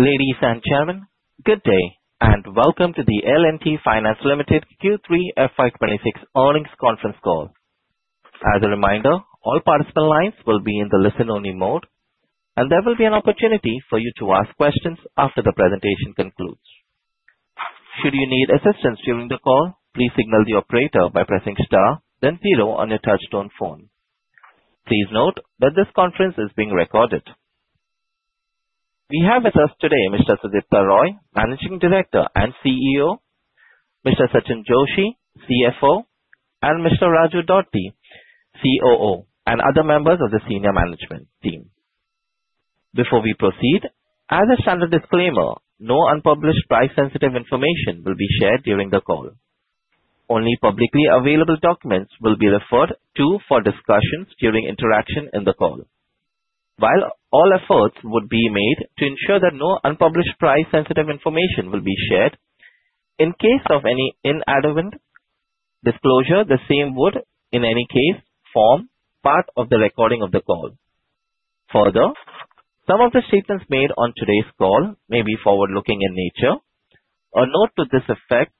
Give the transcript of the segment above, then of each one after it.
Ladies and gentlemen, good day and welcome to the L&T Finance Limited Q3 FY26 earnings conference call. As a reminder, all participant lines will be in the listen-only mode, and there will be an opportunity for you to ask questions after the presentation concludes. Should you need assistance during the call, please signal the operator by pressing star, then zero on your touch-tone phone. Please note that this conference is being recorded. We have with us today Mr. Sudipta Roy, Managing Director and CEO, Mr. Sachinn Joshi, CFO, and Mr. Raju Dodti, COO, and other members of the senior management team. Before we proceed, as a standard disclaimer, no unpublished price-sensitive information will be shared during the call. Only publicly available documents will be referred to for discussion during interaction in the call. While all efforts would be made to ensure that no unpublished price-sensitive information will be shared, in case of any inadvertent disclosure, the same would, in any case, form part of the recording of the call. Further, some of the statements made on today's call may be forward-looking in nature. A note to this effect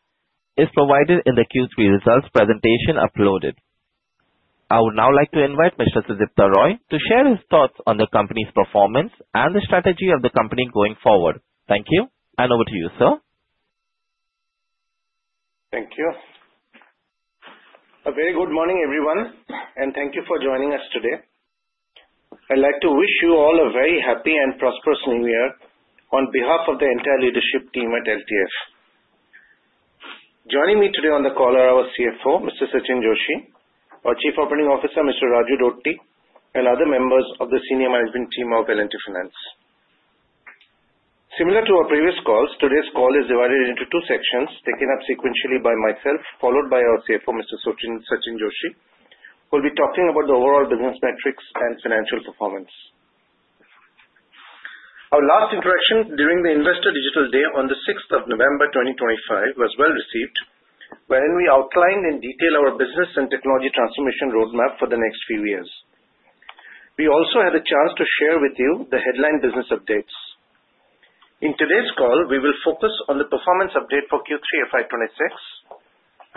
is provided in the Q3 results presentation uploaded. I would now like to invite Mr. Sudipta Roy to share his thoughts on the company's performance and the strategy of the company going forward. Thank you, and over to you, sir. Thank you. A very good morning, everyone, and thank you for joining us today. I'd like to wish you all a very happy and prosperous New Year on behalf of the entire leadership team at LTF. Joining me today on the call are our CFO, Mr. Sachinn Joshi, our Chief Operating Officer, Mr. Raju Dodti, and other members of the senior management team of L&T Finance. Similar to our previous calls, today's call is divided into two sections, taken up sequentially by myself, followed by our CFO, Mr. Sachinn Joshi, who will be talking about the overall business metrics and financial performance. Our last interaction during the Investor Digital Day on the 6th of November 2025 was well received, when we outlined in detail our business and technology transformation roadmap for the next few years. We also had a chance to share with you the headline business updates. In today's call, we will focus on the performance update for Q3 FY26,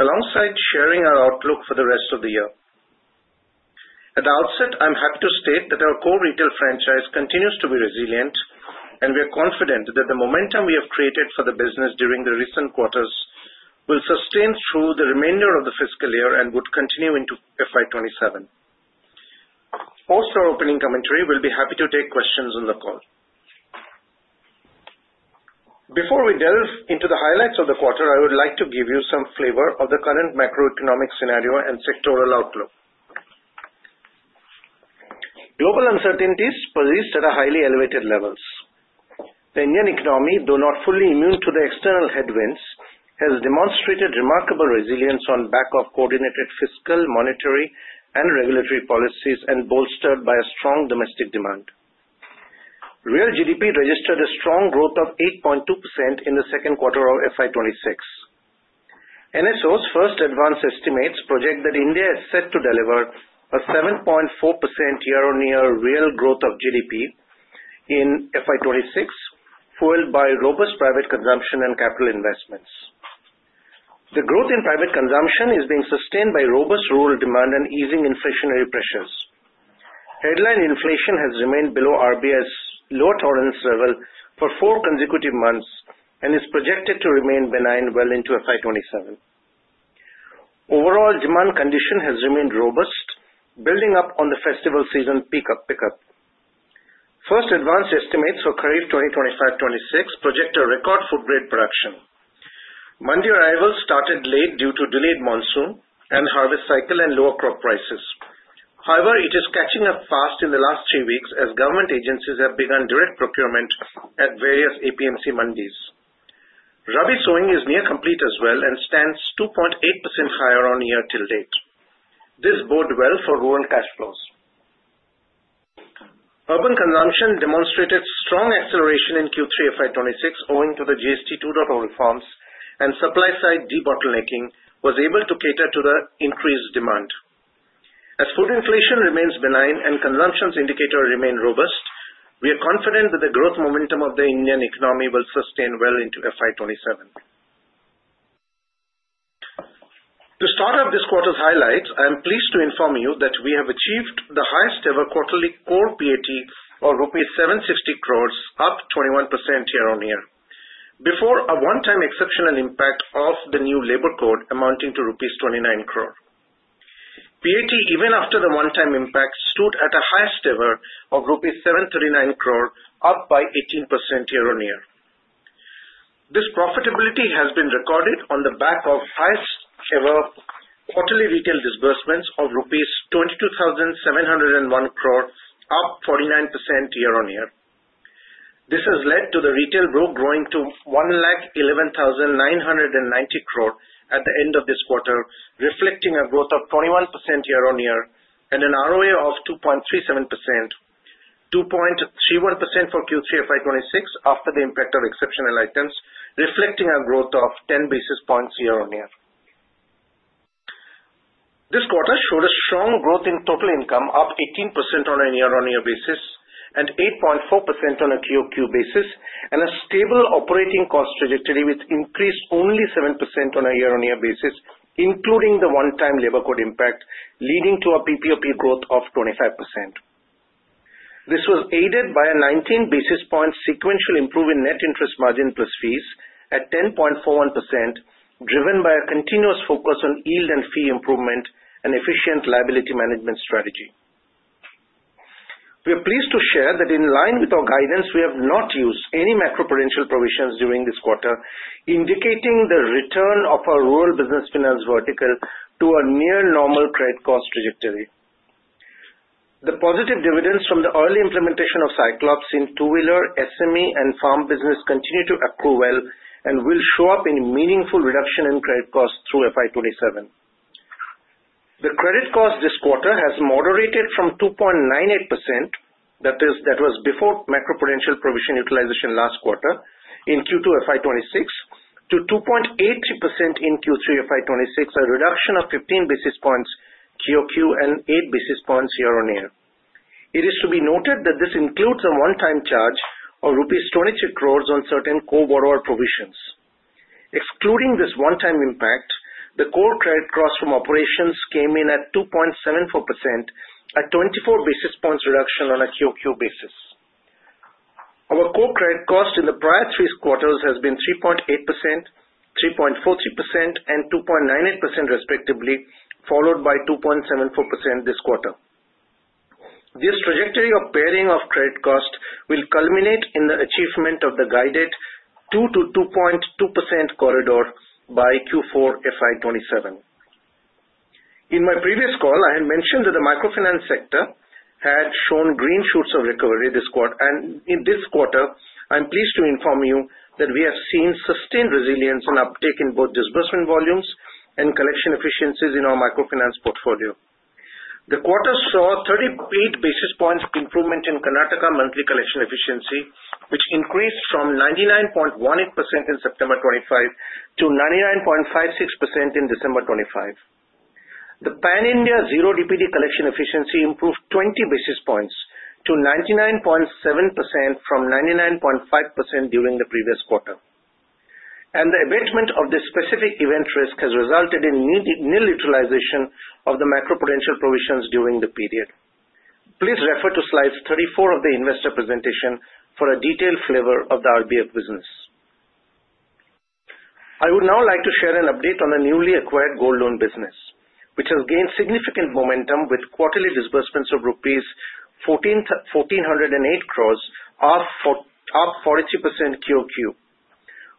alongside sharing our outlook for the rest of the year. At the outset, I'm happy to state that our core retail franchise continues to be resilient, and we are confident that the momentum we have created for the business during the recent quarters will sustain through the remainder of the fiscal year and would continue into FY27. Post our opening commentary, we'll be happy to take questions on the call. Before we delve into the highlights of the quarter, I would like to give you some flavor of the current macroeconomic scenario and sectoral outlook. Global uncertainties persist at a highly elevated level. The Indian economy, though not fully immune to the external headwinds, has demonstrated remarkable resilience on the back of coordinated fiscal, monetary, and regulatory policies, and bolstered by a strong domestic demand. Real GDP registered a strong growth of 8.2% in the second quarter of FY26. NSO's first advance estimates project that India is set to deliver a 7.4% year-on-year real growth of GDP in FY26, fueled by robust private consumption and capital investments. The growth in private consumption is being sustained by robust rural demand and easing inflationary pressures. Headline inflation has remained below RBI's low tolerance level for four consecutive months and is projected to remain benign well into FY27. Overall demand condition has remained robust, building up on the festival season pickup. First advance estimates for Kharif 2025-26 project a record food grain production. Mandi arrival started late due to delayed monsoon and harvest cycle and lower crop prices. However, it is catching up fast in the last three weeks as government agencies have begun direct procurement at various APMC Mandis. Rabi sowing is near complete as well and stands 2.8% higher on year till date. This bodes well for rural cash flows. Urban consumption demonstrated strong acceleration in Q3 FY26 owing to the GTM 2.0 reforms, and supply-side debottlenecking was able to cater to the increased demand. As food inflation remains benign and consumption's indicator remains robust, we are confident that the growth momentum of the Indian economy will sustain well into FY27. To start up this quarter's highlights, I am pleased to inform you that we have achieved the highest-ever quarterly core PAT, or ₹760 crores, up 21% year-on-year, before a one-time exceptional impact of the new labor code amounting to ₹29 crore. PAT, even after the one-time impact, stood at a highest ever of ₹739 crore, up by 18% year-on-year. This profitability has been recorded on the back of highest-ever quarterly retail disbursements of INR 22,701 crore, up 49% year-on-year. This has led to the retail growth growing to 111,990 crore at the end of this quarter, reflecting a growth of 21% year-on-year and an ROA of 2.37%, 2.31% for Q3 FY26 after the impact of exceptional items, reflecting a growth of 10 basis points year-on-year. This quarter showed a strong growth in total income, up 18% on a year-on-year basis and 8.4% on a QOQ basis, and a stable operating cost trajectory with increase only 7% on a year-on-year basis, including the one-time labor code impact, leading to a PPOP growth of 25%. This was aided by a 19 basis point sequential improvement in net interest margin plus fees at 10.41%, driven by a continuous focus on yield and fee improvement and efficient liability management strategy. We are pleased to share that in line with our guidance, we have not used any macroprudential provisions during this quarter, indicating the return of our Rural Business Finance vertical to a near-normal credit cost trajectory. The positive dividends from the early implementation of Cyclops in two-wheeler, SME, and farm business continue to accrue well and will show up in meaningful reduction in credit costs through FY27. The credit cost this quarter has moderated from 2.98%, that is, that was before macroprudential provision utilization last quarter in Q2 FY26, to 2.83% in Q3 FY26, a reduction of 15 basis points QOQ and 8 basis points year-on-year. It is to be noted that this includes a one-time charge of 22 crores on certain co-borrower provisions. Excluding this one-time impact, the core credit cost from operations came in at 2.74%, a 24 basis points reduction on a QOQ basis. Our core credit cost in the prior three quarters has been 3.8%, 3.43%, and 2.98% respectively, followed by 2.74% this quarter. This trajectory of paring of credit cost will culminate in the achievement of the guided 2%-2.2% corridor by Q4 FY27. In my previous call, I had mentioned that the microfinance sector had shown green shoots of recovery this quarter, and in this quarter, I'm pleased to inform you that we have seen sustained resilience and uptake in both disbursement volumes and collection efficiencies in our microfinance portfolio. The quarter saw 38 basis points improvement in Karnataka monthly collection efficiency, which increased from 99.18% in September 2025 to 99.56% in December 2025. The pan-India zero DPD collection efficiency improved 20 basis points to 99.7% from 99.5% during the previous quarter. The abatement of the specific event risk has resulted in near neutralization of the macroprudential provisions during the period. Please refer to slide 34 of the investor presentation for a detailed flavor of the rural business. I would now like to share an update on the newly acquired gold loan business, which has gained significant momentum with quarterly disbursements of 1,408 crores, up 42% QOQ.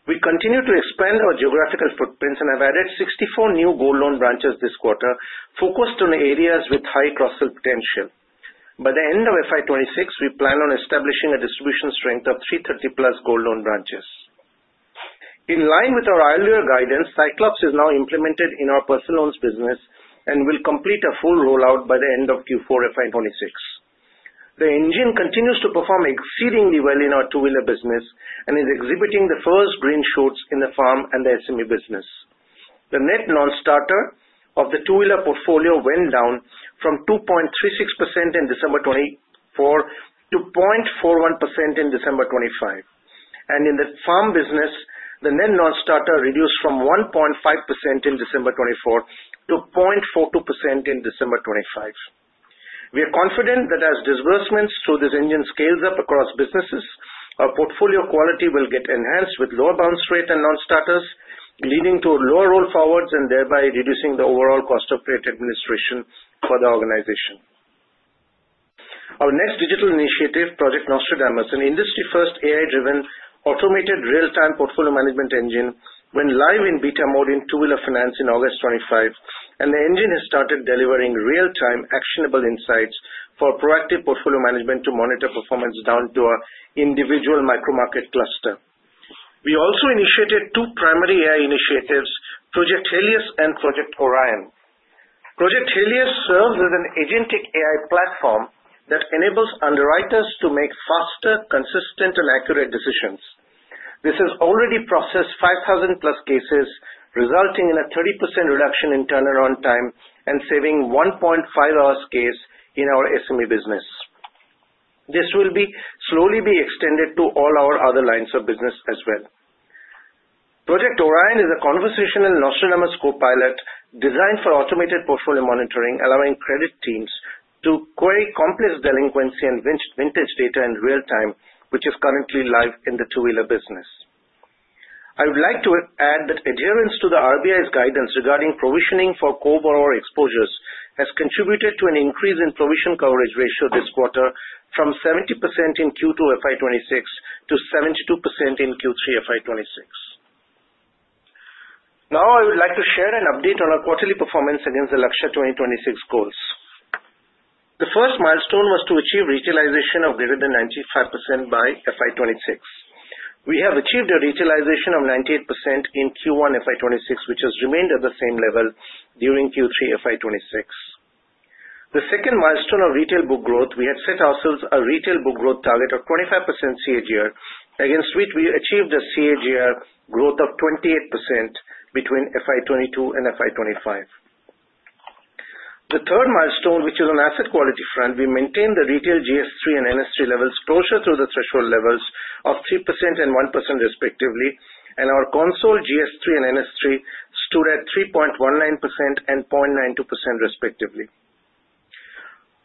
We continue to expand our geographical footprints and have added 64 new gold loan branches this quarter, focused on areas with high cross-sell potential. By the end of FY26, we plan on establishing a distribution strength of 330-plus gold loan branches. In line with our earlier guidance, Cyclops is now implemented in our personal loans business and will complete a full rollout by the end of Q4 FY26. The engine continues to perform exceedingly well in our two-wheeler business and is exhibiting the first green shoots in the farm and the SME business. The net non-starter of the two-wheeler portfolio went down from 2.36% in December 2024 to 0.41% in December 2025, and in the farm business, the net non-starter reduced from 1.5% in December 2024 to 0.42% in December 2025. We are confident that as disbursements through this engine scales up across businesses, our portfolio quality will get enhanced with lower bounce rate and non-starter, leading to lower roll-forwards and thereby reducing the overall cost of credit administration for the organization. Our next digital initiative, Project Nostradamus, an industry-first AI-driven automated real-time portfolio management engine, went live in beta mode in two-wheeler finance in August 2025, and the engine has started delivering real-time actionable insights for proactive portfolio management to monitor performance down to our individual micro-market cluster. We also initiated two primary AI initiatives, Project Helios and Project Orion. Project Helios serves as an agentic AI platform that enables underwriters to make faster, consistent, and accurate decisions. This has already processed 5,000-plus cases, resulting in a 30% reduction in turnaround time and saving 1.5 hours case in our SME business. This will slowly be extended to all our other lines of business as well. Project Orion is a conversational Nostradamus copilot designed for automated portfolio monitoring, allowing credit teams to query complex delinquency and vintage data in real time, which is currently live in the two-wheeler business. I would like to add that adherence to the RBI's guidance regarding provisioning for co-borrower exposures has contributed to an increase in provision coverage ratio this quarter from 70% in Q2 FY26 to 72% in Q3 FY26. Now, I would like to share an update on our quarterly performance against the Lakshya 2026 goals. The first milestone was to achieve retailization of greater than 95% by FY26. We have achieved a retailization of 98% in Q1 FY26, which has remained at the same level during Q3 FY26. The second milestone of retail book growth, we had set ourselves a retail book growth target of 25% CAGR, against which we achieved a CAGR growth of 28% between FY22 and FY25. The third milestone, which is on asset quality front, we maintained the retail GS3 and NS3 levels closer through the threshold levels of 3% and 1% respectively, and our consolidated GS3 and NS3 stood at 3.19% and 0.92% respectively.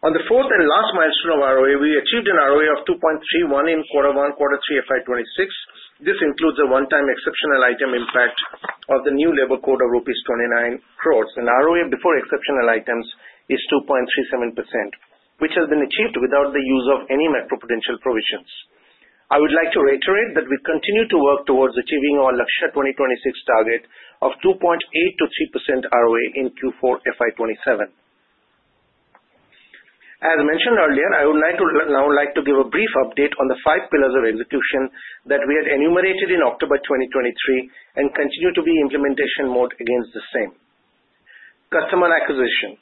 On the fourth and last milestone of ROA, we achieved an ROA of 2.31% in Q1 FY26. This includes a one-time exceptional item impact of the new labor code of rupees 29 crores. An ROA before exceptional items is 2.37%, which has been achieved without the use of any macroprudential provisions. I would like to reiterate that we continue to work towards achieving our Lakshya 2026 target of 2.8% to 3% ROA in Q4 FY27. As mentioned earlier, I would now like to give a brief update on the five pillars of execution that we had enumerated in October 2023 and continue to be in implementation mode against the same. Customer acquisition.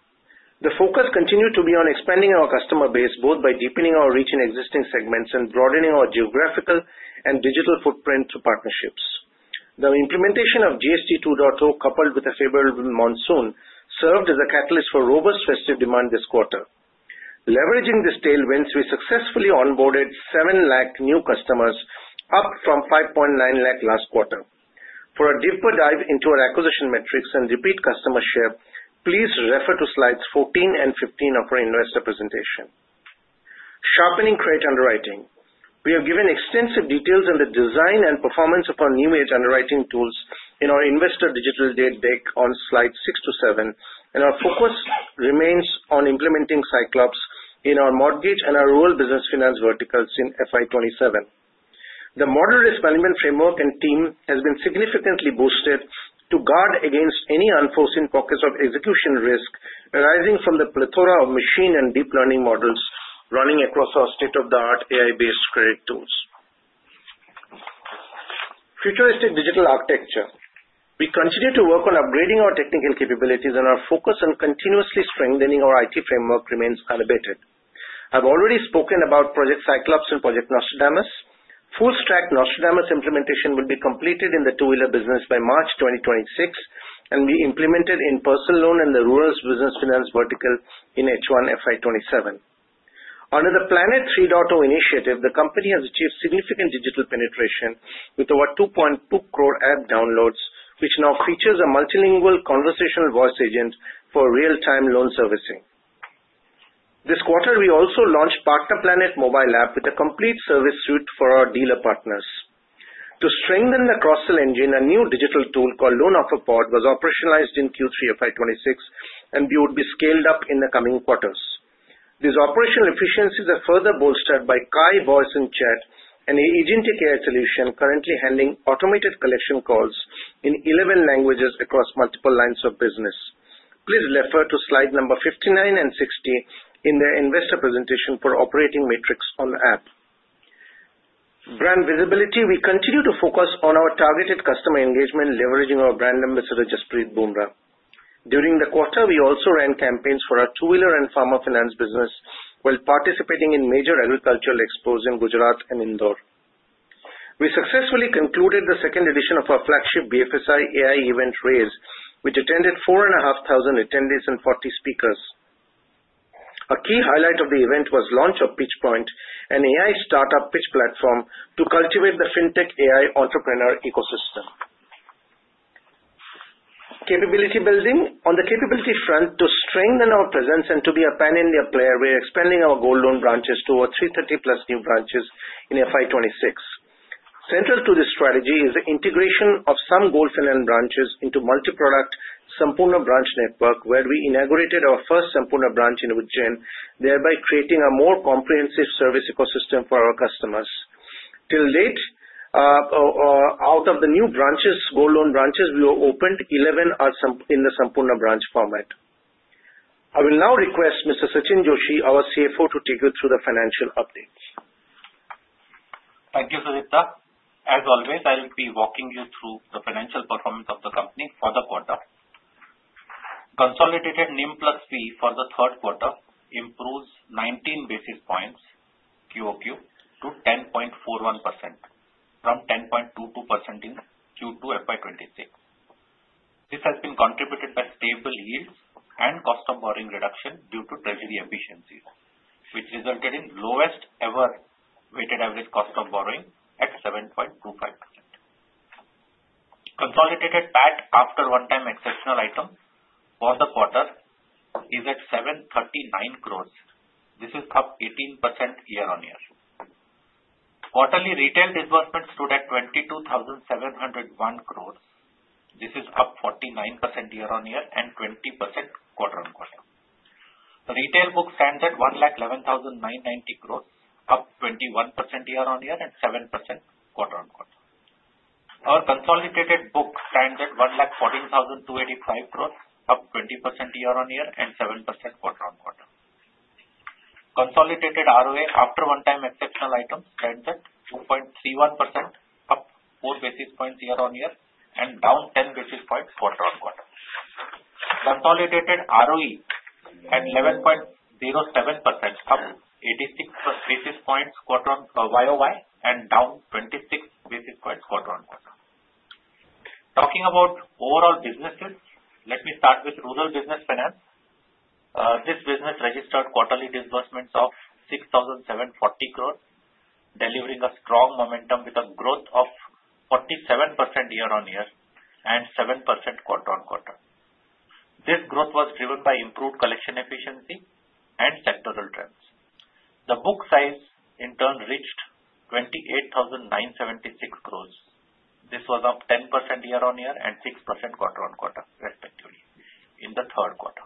The focus continued to be on expanding our customer base both by deepening our reach in existing segments and broadening our geographical and digital footprint through partnerships. The implementation of GST 2.0, coupled with a favorable monsoon, served as a catalyst for robust festive demand this quarter. Leveraging these tailwinds, we successfully onboarded 7 lakh new customers, up from 5.9 lakh last quarter. For a deeper dive into our acquisition metrics and repeat customer share, please refer to slides 14 and 15 of our investor presentation. Sharpening credit underwriting. We have given extensive details on the design and performance of our new age underwriting tools in our investor digital day deck on slides 6 to 7, and our focus remains on implementing Cyclops in our mortgage and our Rural Business Finance verticals in FY27. The model re-deployment framework and team has been significantly boosted to guard against any unforeseen pockets of execution risk arising from the plethora of machine and deep learning models running across our state-of-the-art AI-based credit tools. Futuristic digital architecture. We continue to work on upgrading our technical capabilities, and our focus on continuously strengthening our IT framework remains unabated. I've already spoken about Project Cyclops and Project Nostradamus. Full-stack Nostradamus implementation will be completed in the two-wheeler business by March 2026, and we implemented in personal loan and the Rural Business Finance vertical in H1 FY27. Under the Planet 3.0 initiative, the company has achieved significant digital penetration with over 2.2 crore app downloads, which now features a multilingual conversational voice agent for real-time loan servicing. This quarter, we also launched Partner Planet mobile app with a complete service suite for our dealer partners. To strengthen the cross-sale engine, a new digital tool called Loan Offer Pod was operationalized in Q3 FY26, and it would be scaled up in the coming quarters. These operational efficiencies are further bolstered by KAI Voice and Chat, an agentic AI solution currently handling automated collection calls in 11 languages across multiple lines of business. Please refer to slide number 59 and 60 in the investor presentation for operating matrix on the app. Brand visibility, we continue to focus on our targeted customer engagement, leveraging our brand ambassador, Jasprit Bumrah. During the quarter, we also ran campaigns for our two-wheeler and farmer finance business while participating in major agricultural expos in Gujarat and Indore. We successfully concluded the second edition of our flagship BFSI AI event RAISE, which attended 4,500 attendees and 40 speakers. A key highlight of the event was launch of Pitch Point, an AI startup pitch platform to cultivate the fintech AI entrepreneur ecosystem. Capability building. On the capability front, to strengthen our presence and to be a pan-India player, we are expanding our gold loan branches to over 330-plus new branches in FY26. Central to this strategy is the integration of some gold finance branches into multi-product Sampoorna branch network, where we inaugurated our first Sampoorna branch in Ujjain, thereby creating a more comprehensive service ecosystem for our customers. To date, out of the new gold loan branches, we have opened 11 in the Sampoorna branch format. I will now request Mr. Sachinn Joshi, our CFO, to take you through the financial updates. Thank you, Sudipta. As always, I will be walking you through the financial performance of the company for the quarter. Consolidated NIM plus fee for the third quarter improves 19 basis points QOQ to 10.41% from 10.22% in Q2 FY26. This has been contributed by stable yields and cost of borrowing reduction due to treasury efficiencies, which resulted in lowest ever weighted average cost of borrowing at 7.25%. Consolidated PAT, after one-time exceptional item for the quarter, is at 739 crores. This is up 18% year-on-year. Quarterly retail disbursements stood at 22,701 crores. This is up 49% year-on-year and 20% quarter-on-quarter. Retail books stand at 111,990 crores, up 21% year-on-year and 7% quarter-on-quarter. Our consolidated books stand at INR 114,285 crores, up 20% year-on-year and 7% quarter-on-quarter. Consolidated ROA, after one-time exceptional items, stands at 2.31%, up 4 basis points year-on-year and down 10 basis points quarter-on-quarter. Consolidated ROE at 11.07%, up 86 basis points quarter-on-quarter YOY and down 26 basis points quarter-on-quarter. Talking about overall businesses, let me start with Rural Business Finance. This business registered quarterly disbursements of 6,740 crores, delivering a strong momentum with a growth of 47% year-on-year and 7% quarter-on-quarter. This growth was driven by improved collection efficiency and sectoral trends. The book size, in turn, reached 28,976 crores. This was up 10% year-on-year and 6% quarter-on-quarter, respectively, in the third quarter.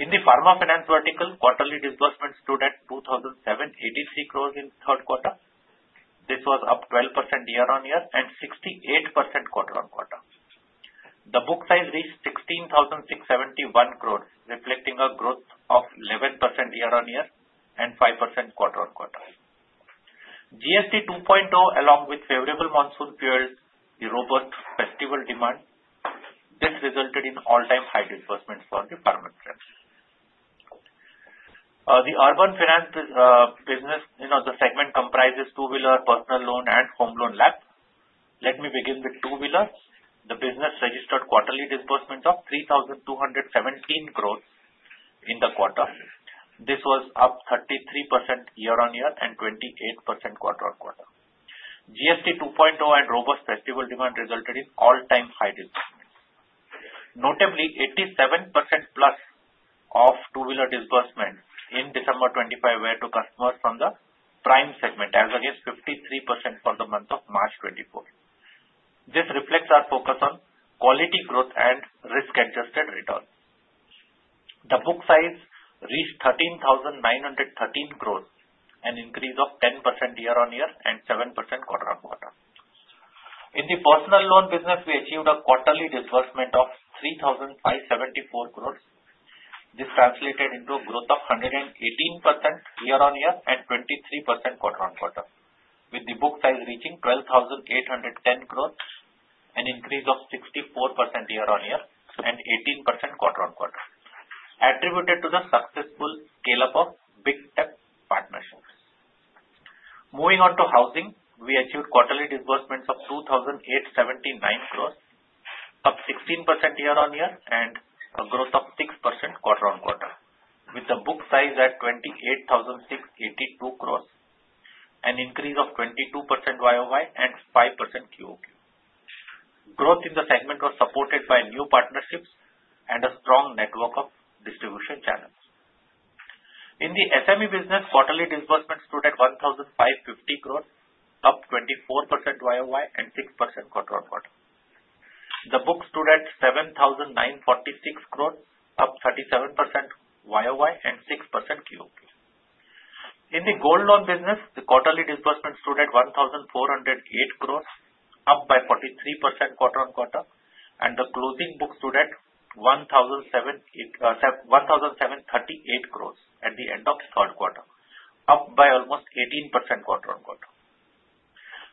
In the Farmer Finance vertical, quarterly disbursements stood at 2,783 crores in the third quarter. This was up 12% year-on-year and 68% quarter-on-quarter. The book size reached 16,671 crores, reflecting a growth of 11% year-on-year and 5% quarter-on-quarter. GST 2.0, along with favorable monsoon periods, and robust festival demand. This resulted in all-time high disbursements for the farm trade. The Urban Finance business, you know, the segment comprises two-wheeler, personal loan, and home loan LAP. Let me begin with two-wheeler. The business registered quarterly disbursements of 3,217 crores in the quarter. This was up 33% year-on-year and 28% quarter-on-quarter. GST 2.0 and robust festival demand resulted in all-time high disbursements. Notably, 87% plus of two-wheeler disbursements in December 2025 were to customers from the prime segment, as against 53% for the month of March 2024. This reflects our focus on quality growth and risk-adjusted return. The book size reached 13,913 crores, an increase of 10% year-on-year and 7% quarter-on-quarter. In the personal loan business, we achieved a quarterly disbursement of 3,574 crores. This translated into a growth of 118% year-on-year and 23% quarter-on-quarter, with the book size reaching 12,810 crores, an increase of 64% year-on-year and 18% quarter-on-quarter, attributed to the successful scale-up of big tech partnerships. Moving on to housing, we achieved quarterly disbursements of 2,879 crores, up 16% year-on-year and a growth of 6% quarter-on-quarter, with the book size at 28,682 crores, an increase of 22% YOY and 5% QOQ. Growth in the segment was supported by new partnerships and a strong network of distribution channels. In the SME business, quarterly disbursements stood at 1,550 crores, up 24% YOY and 6% quarter-on-quarter. The book stood at 7,946 crores, up 37% YOY and 6% QOQ. In the gold loan business, the quarterly disbursement stood at 1,408 crores, up by 43% quarter-on-quarter, and the closing book stood at 1,738 crores at the end of the third quarter, up by almost 18% quarter-on-quarter.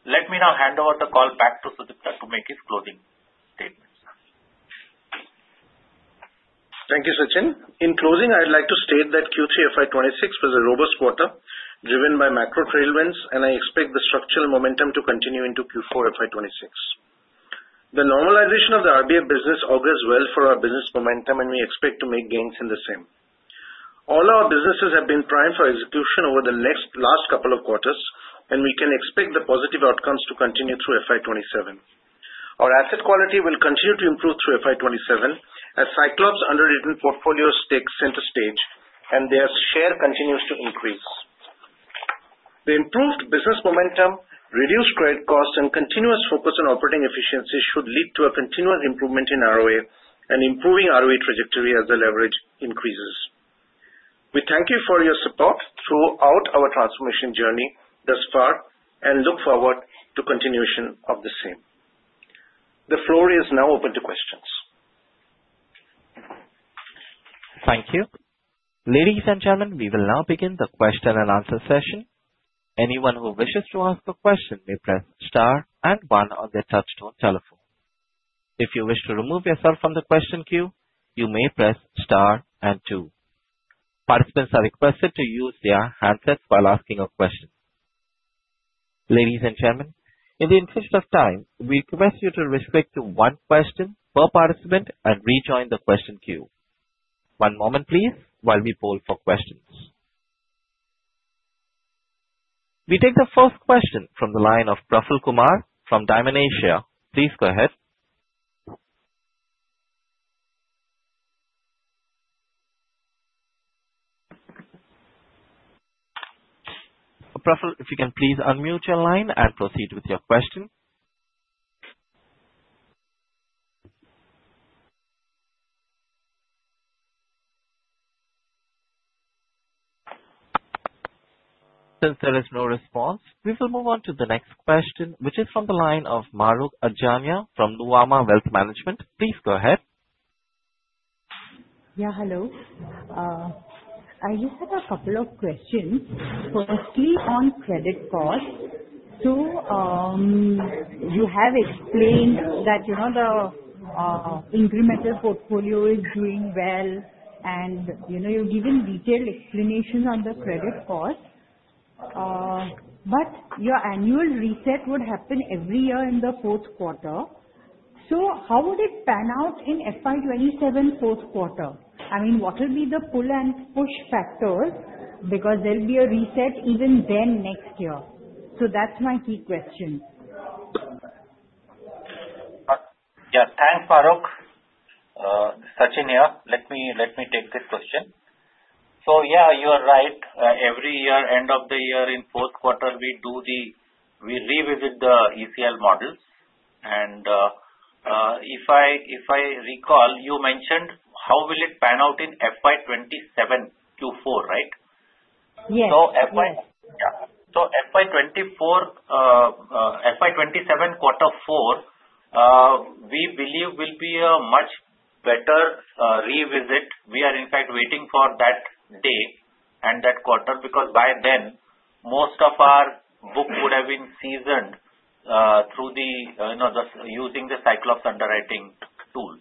Let me now hand over the call back to Sudipta to make his closing statements. Thank you, Sachinn. In closing, I'd like to state that Q3 FY26 was a robust quarter driven by macro trade events, and I expect the structural momentum to continue into Q4 FY26. The normalization of the RBF business augurs well for our business momentum, and we expect to make gains in the same. All our businesses have been primed for execution over the last couple of quarters, and we can expect the positive outcomes to continue through FY27. Our asset quality will continue to improve through FY27 as Cyclops' underwritten portfolios take center stage and their share continues to increase. The improved business momentum, reduced credit costs, and continuous focus on operating efficiency should lead to a continuous improvement in ROA and improving ROE trajectory as the leverage increases. We thank you for your support throughout our transformation journey thus far and look forward to the continuation of the same. The floor is now open to questions. Thank you. Ladies and gentlemen, we will now begin the question and answer session. Anyone who wishes to ask a question may press star and one on their touch-tone telephone. If you wish to remove yourself from the question queue, you may press star and two. Participants are requested to use their handsets while asking a question. Ladies and gentlemen, in the interest of time, we request you to respect one question per participant and rejoin the question queue. One moment, please, while we poll for questions. We take the first question from the line of Praful Kumar from Dymon Asia Capital. Please go ahead. Praful, if you can please unmute your line and proceed with your question. Since there is no response, we will move on to the next question, which is from the line of Mahrukh Adajania from Nuvama Wealth Management. Please go ahead. Yeah, hello. I just have a couple of questions. Firstly, on credit costs, so you have explained that the incremental portfolio is doing well, and you've given detailed explanations on the credit costs, but your annual reset would happen every year in the fourth quarter. So how would it pan out in FY27 fourth quarter? I mean, what will be the pull and push factors because there'll be a reset even then next year? So that's my key question. Yeah, thanks, Mahrukh. Sachinn here. Let me take this question. So yeah, you are right. Every year, end of the year in fourth quarter, we revisit the ECL models. And if I recall, you mentioned how will it pan out in FY27 Q4, right? Yes. So FY27 quarter four, we believe will be a much better revisit. We are, in fact, waiting for that day and that quarter because by then, most of our book would have been seasoned through using the Cyclops underwriting tool,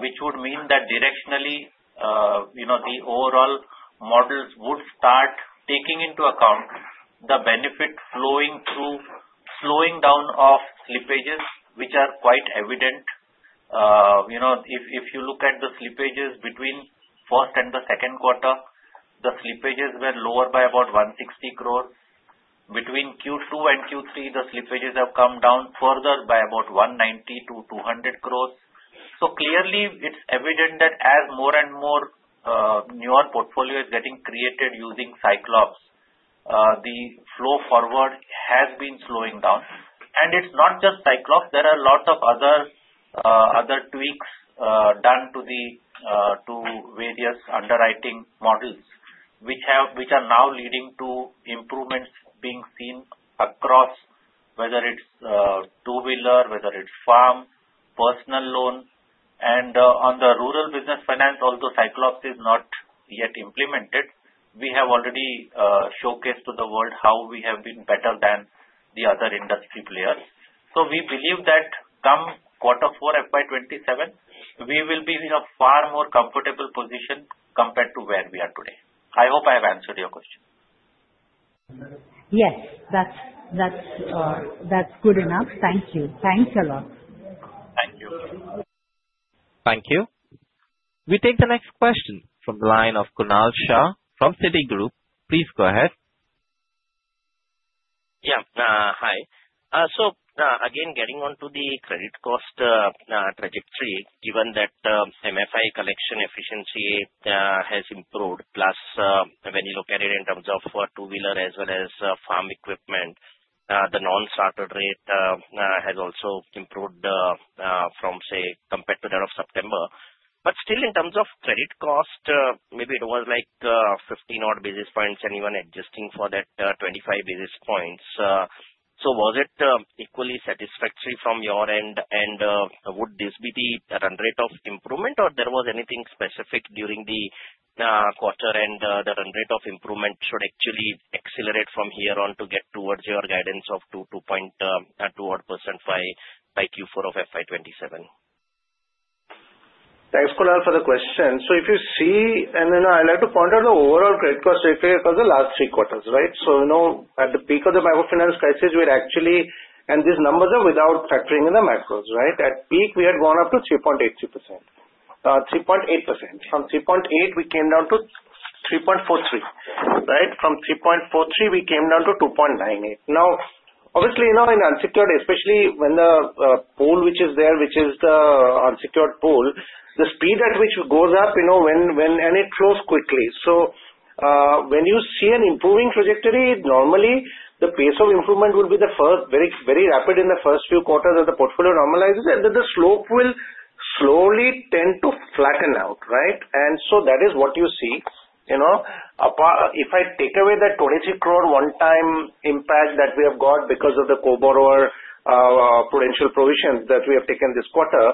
which would mean that directionally, the overall models would start taking into account the benefit slowing down of slippages, which are quite evident. If you look at the slippages between first and the second quarter, the slippages were lower by about 160 crores. Between Q2 and Q3, the slippages have come down further by about 190 to 200 crores. So clearly, it's evident that as more and more newer portfolio is getting created using Cyclops, the flow forward has been slowing down. And it's not just Cyclops. There are lots of other tweaks done to various underwriting models, which are now leading to improvements being seen across, whether it's two-wheeler, whether it's farm, personal loan. On the Rural Business Finance, although Cyclops is not yet implemented, we have already showcased to the world how we have been better than the other industry players. So we believe that come quarter four FY27, we will be in a far more comfortable position compared to where we are today. I hope I have answered your question. Yes, that's good enough. Thank you. Thanks a lot. Thank you. Thank you. We take the next question from the line of Kunal Shah from Citigroup. Please go ahead. Yeah, hi. So again, getting onto the credit cost trajectory, given that MFI collection efficiency has improved, plus when you look at it in terms of two-wheeler as well as farm equipment, the non-starter rate has also improved from, say, compared to that of September. But still, in terms of credit cost, maybe it was like 15-odd basis points and even adjusting for that 25 basis points. So was it equally satisfactory from your end, and would this be the run rate of improvement, or there was anything specific during the quarter end, the run rate of improvement should actually accelerate from here on to get towards your guidance of 2.21% by Q4 of FY27? Thanks, Kunal, for the question. So if you see, and I'd like to point out the overall credit cost rate because of the last three quarters, right? So at the peak of the macro finance crisis, we had actually, and these numbers are without factoring in the macros, right? At peak, we had gone up to 3.82%. 3.8%. From 3.8%, we came down to 3.43%, right? From 3.43%, we came down to 2.98%. Now, obviously, in unsecured, especially when the pool which is there, which is the unsecured pool, the speed at which it goes up, and it flows quickly. So when you see an improving trajectory, normally, the pace of improvement will be very rapid in the first few quarters as the portfolio normalizes, and then the slope will slowly tend to flatten out, right? And so that is what you see. If I take away that 23 crore one-time impact that we have got because of the co-borrower prudential provision that we have taken this quarter,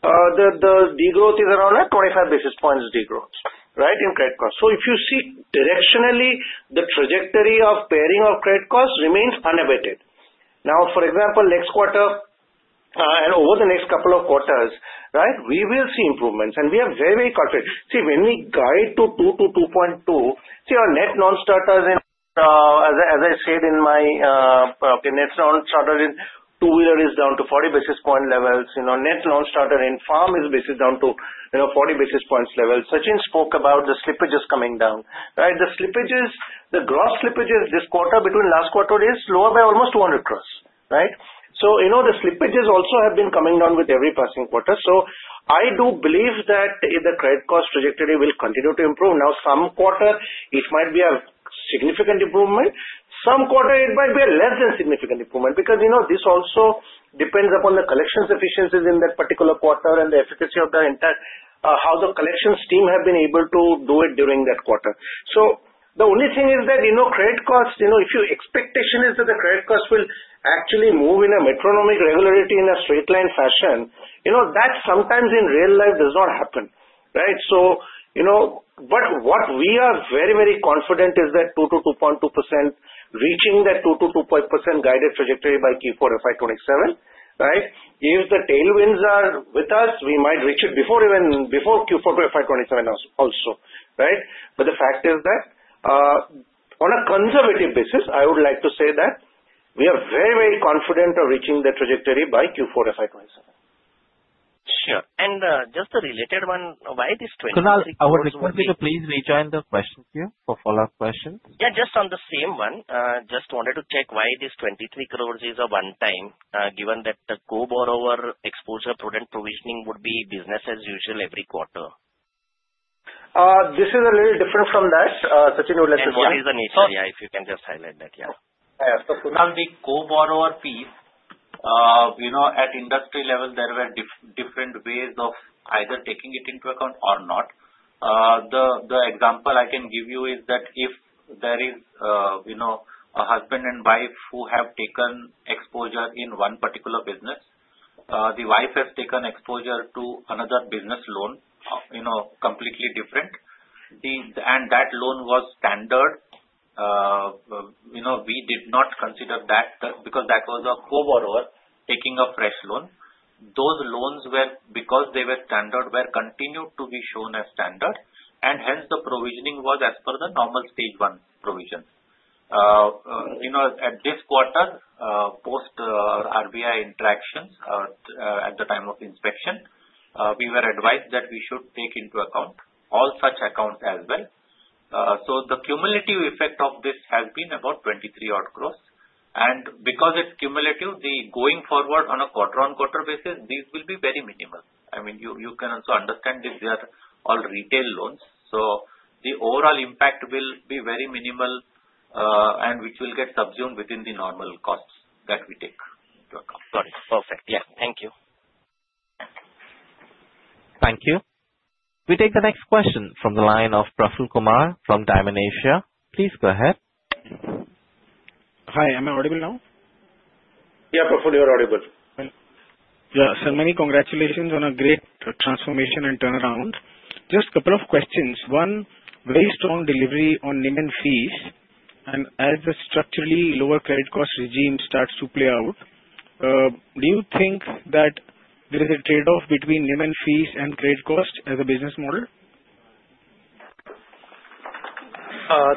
the degrowth is around 25 basis points degrowth, right, in credit costs. So if you see, directionally, the trajectory of paring of credit costs remains unabated. Now, for example, next quarter and over the next couple of quarters, right, we will see improvements, and we are very, very confident. See, when we guide to 2-2.2, see, our Net NPAs, as I said in my, okay, Net NPAs in two-wheeler is down to 40 basis points levels. Net non-starter in farm is basically down to 40 basis points levels. Sachinn spoke about the slippages coming down, right? The slippages, the gross slippages this quarter between last quarter is lower by almost 200 crores, right? So the slippages also have been coming down with every passing quarter. So I do believe that the credit cost trajectory will continue to improve. Now, some quarter, it might be a significant improvement. Some quarter, it might be a less than significant improvement because this also depends upon the collections efficiencies in that particular quarter and the efficacy of the entire how the collections team have been able to do it during that quarter. So the only thing is that credit cost, if your expectation is that the credit cost will actually move in a metronomic regularity in a straight line fashion, that sometimes in real life does not happen, right? But what we are very, very confident is that 2%-2.2% reaching that 2%-2.5% guided trajectory by Q4 FY27, right? If the tailwinds are with us, we might reach it before Q4 FY27 also, right? But the fact is that on a conservative basis, I would like to say that we are very, very confident of reaching the trajectory by Q4 FY27. Sure. And just a related one, why this 23? Kunal, I would request you to please rejoin the question queue for follow-up questions. Yeah, just on the same one, just wanted to check why this 23 crores is a one-time, given that the co-borrower exposure prudent provisioning would be business as usual every quarter. This is a little different from that. Sachinn, would like to say? Yeah, it is an issue. Yeah, if you can just highlight that, yeah. Yeah, so Kunal, the co-borrower piece, at industry level, there were different ways of either taking it into account or not. The example I can give you is that if there is a husband and wife who have taken exposure in one particular business, the wife has taken exposure to another business loan, completely different, and that loan was standard. We did not consider that because that was a co-borrower taking a fresh loan. Those loans, because they were standard, were continued to be shown as standard, and hence the provisioning was as per the normal Stage 1 provision. At this quarter, post-RBI interactions at the time of inspection, we were advised that we should take into account all such accounts as well. So the cumulative effect of this has been about 23-odd crores. And because it's cumulative, the going forward on a quarter-on-quarter basis, these will be very minimal. I mean, you can also understand these are all retail loans. So the overall impact will be very minimal and which will get subsumed within the normal costs that we take into account. Got it. Perfect. Yeah, thank you. Thank you. We take the next question from the line of Prafulla Kumar from Dymon Asia. Please go ahead. Hi, am I audible now? Yeah, Prafulla, you're audible. Yeah, so many congratulations on a great transformation and turnaround. Just a couple of questions. One, very strong delivery on NIM and fees. And as the structurally lower credit cost regime starts to play out, do you think that there is a trade-off between NIM and fees and credit cost as a business model?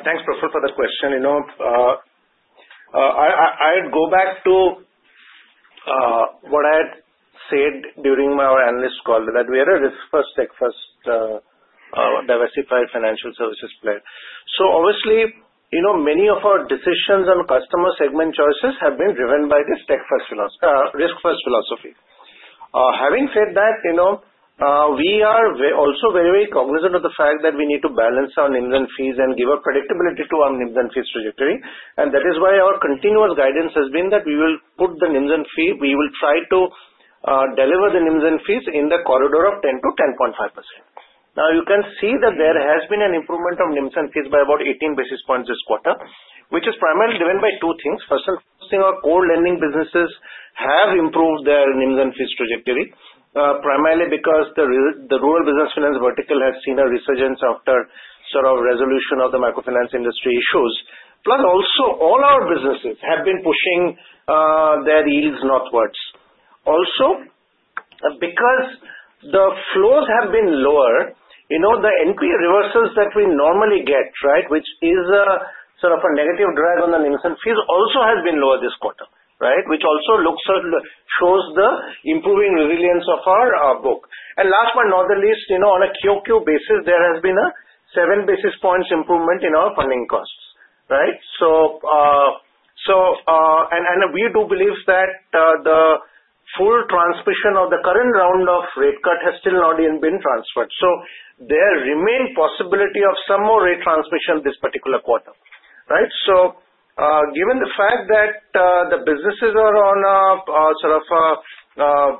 Thanks, Prafulla, for the question. I'd go back to what I had said during our analyst call, that we had a risk-first, tech-first diversified financial services player. So obviously, many of our decisions on customer segment choices have been driven by this tech-first risk-first philosophy. Having said that, we are also very, very cognizant of the fact that we need to balance our NIM and fees and give a predictability to our NIM and fees trajectory. That is why our continuous guidance has been that we will put the NIM; we will try to deliver the NIM in the corridor of 10%-10.5%. Now, you can see that there has been an improvement of NIM by about 18 basis points this quarter, which is primarily driven by two things. First thing, our core lending businesses have improved their NIM trajectory, primarily because the Rural Business Finance vertical has seen a resurgence after sort of resolution of the microfinance industry issues. Plus, also, all our businesses have been pushing their yields northwards. Also, because the flows have been lower, the NPA reversals that we normally get, right, which is sort of a negative drag on the NIM, also has been lower this quarter, right, which also shows the improving resilience of our book. And last but not the least, on a QOQ basis, there has been a 7 basis points improvement in our funding costs, right? And we do believe that the full transmission of the current round of rate cut has still not even been transferred. So there remains possibility of some more rate transmission this particular quarter, right? So given the fact that the businesses are on a sort of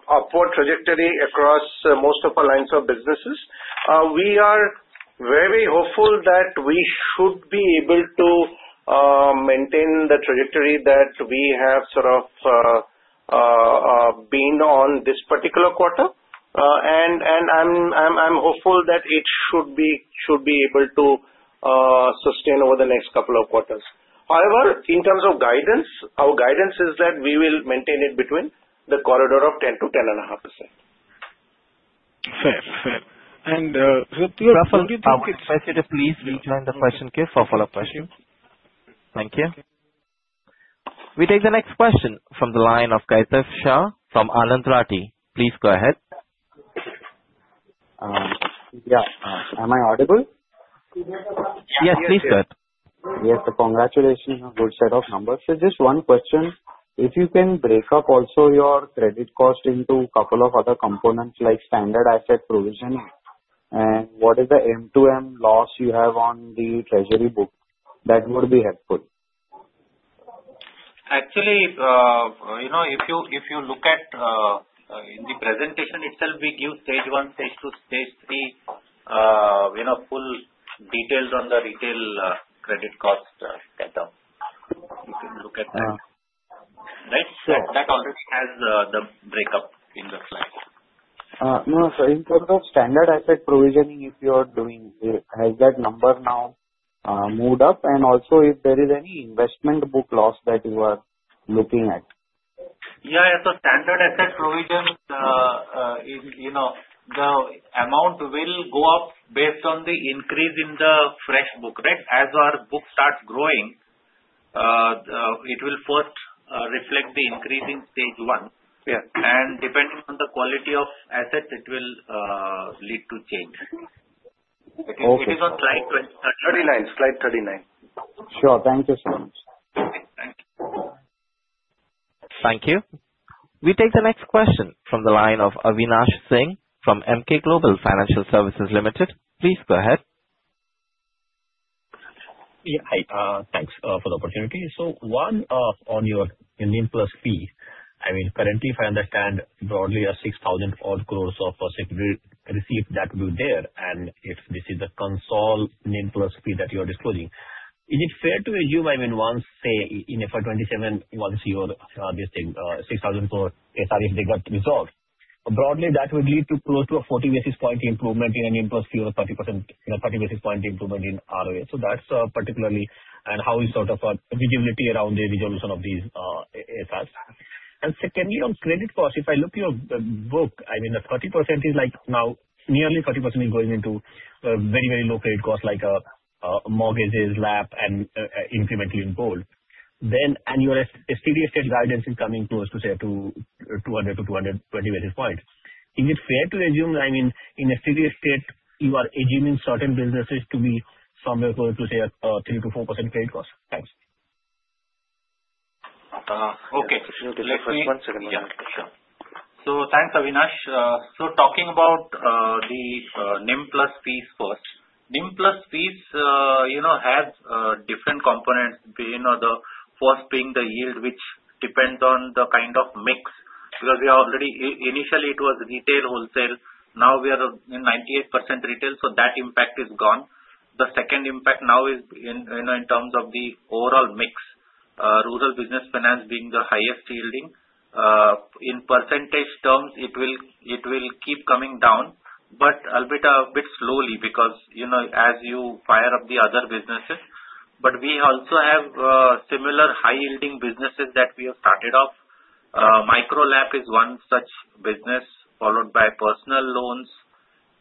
upward trajectory across most of our lines of businesses, we are very, very hopeful that we should be able to maintain the trajectory that we have sort of been on this particular quarter. And I'm hopeful that it should be able to sustain over the next couple of quarters. However, in terms of guidance, our guidance is that we will maintain it between the corridor of 10%-10.5%. Fair. Fair. And so Prafulla, would you please rejoin the question queue for follow-up questions? Thank you. We take the next question from the line of Kaitav Shah from Anand Rathi. Please go ahead. Yeah. Am I audible? Yes, please go ahead. Yes, so congratulations. Good set of numbers. So just one question. If you can break up also your credit cost into a couple of other components like standard asset provisioning, and what is the M2M loss you have on the treasury book, that would be helpful. Actually, if you look at in the presentation itself, we give Stage 1, Stage 2, Stage 3 full details on the retail credit cost data. You can look at that. Right? So that already has the breakup in the slide. No, so in terms of standard asset provisioning, if you are doing, has that number now moved up? And also, if there is any investment book loss that you are looking at? Yeah, yeah. So standard asset provision, the amount will go up based on the increase in the fresh book, right? As our book starts growing, it will first reflect the increase in stage one. And depending on the quality of asset, it will lead to change. It is on slide 39. 39. Sure. Thank you so much. Thank you. Thank you. We take the next question from the line of Avinash Singh from Emkay Global Financial Services Limited. Please go ahead. Yeah, hi. Thanks for the opportunity. So on your NIM plus fees, I mean, currently, if I understand broadly, 6,000-odd crores of receipts that will be there, and this is the consolidated NIM plus fees that you are disclosing. Is it fair to assume, I mean, once, say, in FY27, once your 6,000 crore SRs got resolved, broadly, that would lead to close to a 40 basis point improvement in NIM plus fee or 30 basis point improvement in ROA? So that's particularly. And how is sort of visibility around the resolution of these SRs? And secondly, on credit cost, if I look at your book, I mean, the 30% is like now nearly 30% is going into very, very low credit cost, like mortgages, LAP, and incrementally in gold. Then annual steady-state guidance is coming close to, say, 200-220 basis points. Is it fair to assume, I mean, in a steady-state, you are assuming certain businesses to be somewhere close to, say, 3%-4% credit cost? T hanks. Okay. One second. Sure. So thanks, Avinash. So talking about the NIM plus fees first, NIM plus fees have different components, the first being the yield, which depends on the kind of mix. Because initially, it was retail wholesale. Now we are in 98% retail, so that impact is gone. The second impact now is in terms of the overall mix, Rural Business Finance being the highest yielding. In percentage terms, it will keep coming down, but a bit slowly because as you fire up the other businesses. But we also have similar high-yielding businesses that we have started off. Micro LAP is one such business, followed by personal loans,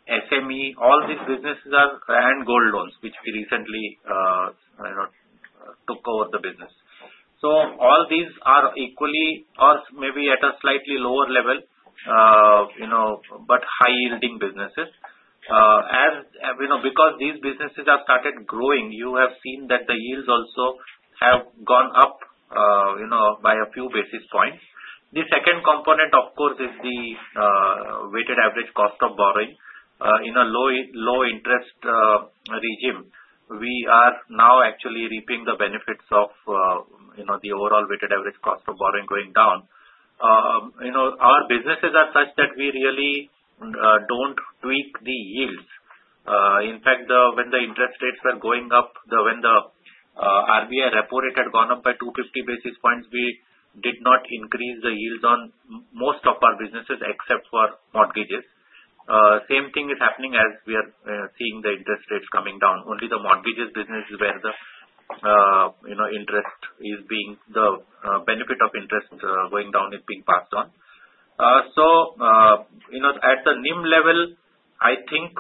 SME. All these businesses are and gold loans, which we recently took over the business. So all these are equally or maybe at a slightly lower level, but high-yielding businesses. Because these businesses have started growing, you have seen that the yields also have gone up by a few basis points. The second component, of course, is the weighted average cost of borrowing. In a low-interest regime, we are now actually reaping the benefits of the overall weighted average cost of borrowing going down. Our businesses are such that we really don't tweak the yields. In fact, when the interest rates were going up, when the RBI repo rate had gone up by 250 basis points, we did not increase the yields on most of our businesses except for mortgages. Same thing is happening as we are seeing the interest rates coming down. Only the mortgages business is where the benefit of interest going down is being passed on. So at the NIM level, I think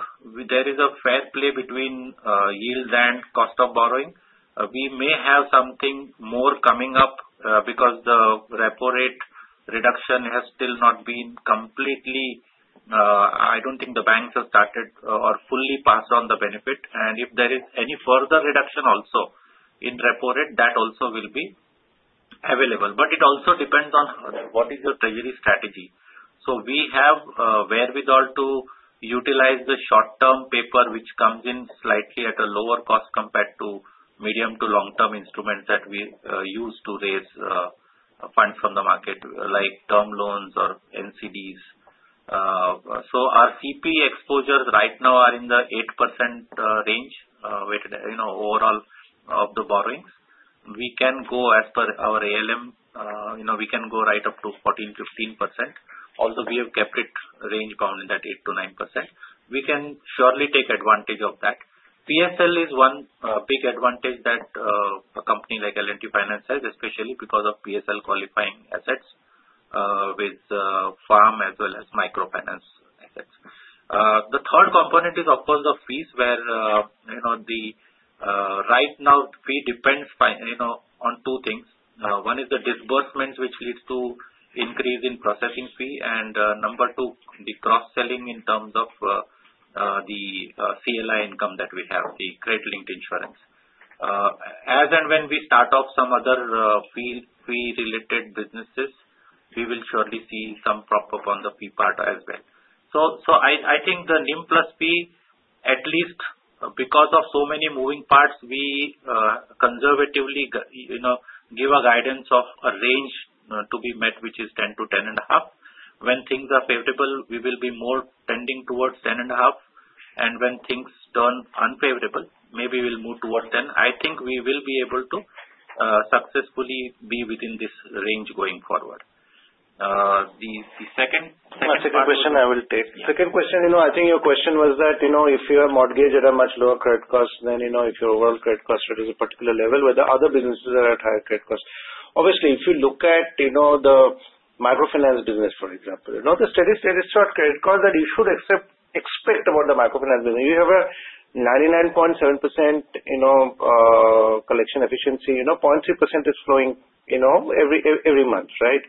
there is a fair play between yields and cost of borrowing. We may have something more coming up because the repo rate reduction has still not been completely. I don't think the banks have started or fully passed on the benefit. And if there is any further reduction also in repo rate, that also will be available. But it also depends on what is your treasury strategy. So we have wherewithal to utilize the short-term paper, which comes in slightly at a lower cost compared to medium to long-term instruments that we use to raise funds from the market, like term loans or NCDs. So our CP exposures right now are in the 8% range overall of the borrowings. We can go as per our ALM. We can go right up to 14%-15%. Although we have kept it range bound in that 8%-9%, we can surely take advantage of that. PSL is one big advantage that a company like L&T Finance has, especially because of PSL qualifying assets with Farm as well as microfinance assets. The third component is, of course, the fees where right now fee depends on two things. One is the disbursement, which leads to increase in processing fee. And number two, the cross-selling in terms of the CLI income that we have, the credit-linked insurance. As and when we start off some other fee-related businesses, we will surely see some prop upon the fee part as well. So I think the NIM plus fee, at least because of so many moving parts, we conservatively give a guidance of a range to be met, which is 10%-10.5%. When things are favorable, we will be more tending towards 10.5%. And when things turn unfavorable, maybe we'll move towards 10%. I think we will be able to successfully be within this range going forward. The second question I will take. Second question, I think your question was that if you have mortgage at a much lower credit cost, then if your overall credit cost is at a particular level, whether other businesses are at higher credit cost. Obviously, if you look at the microfinance business, for example, the steady-state is short credit cost that you should expect about the microfinance business. You have a 99.7% collection efficiency. 0.3% is flowing every month, right?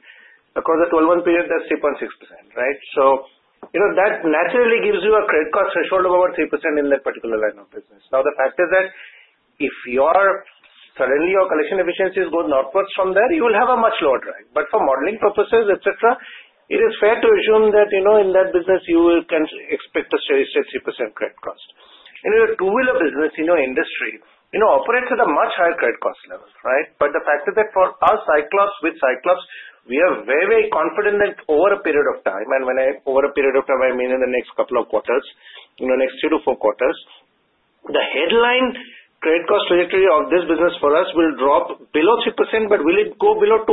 Across the 12-month period, that's 3.6%, right? So that naturally gives you a credit cost threshold of about 3% in that particular line of business. Now, the fact is that if suddenly your collection efficiencies go northwards from there, you will have a much lower drag. But for modeling purposes, etc., it is fair to assume that in that business, you can expect a steady-state 3% credit cost. In a two-wheeler business industry, it operates at a much higher credit cost level, right? But the fact is that for us, Cyclops, with Cyclops, we are very, very confident that over a period of time, and when I over a period of time, I mean in the next couple of quarters, next three to four quarters, the headline credit cost trajectory of this business for us will drop below 3%, but will it go below 2%?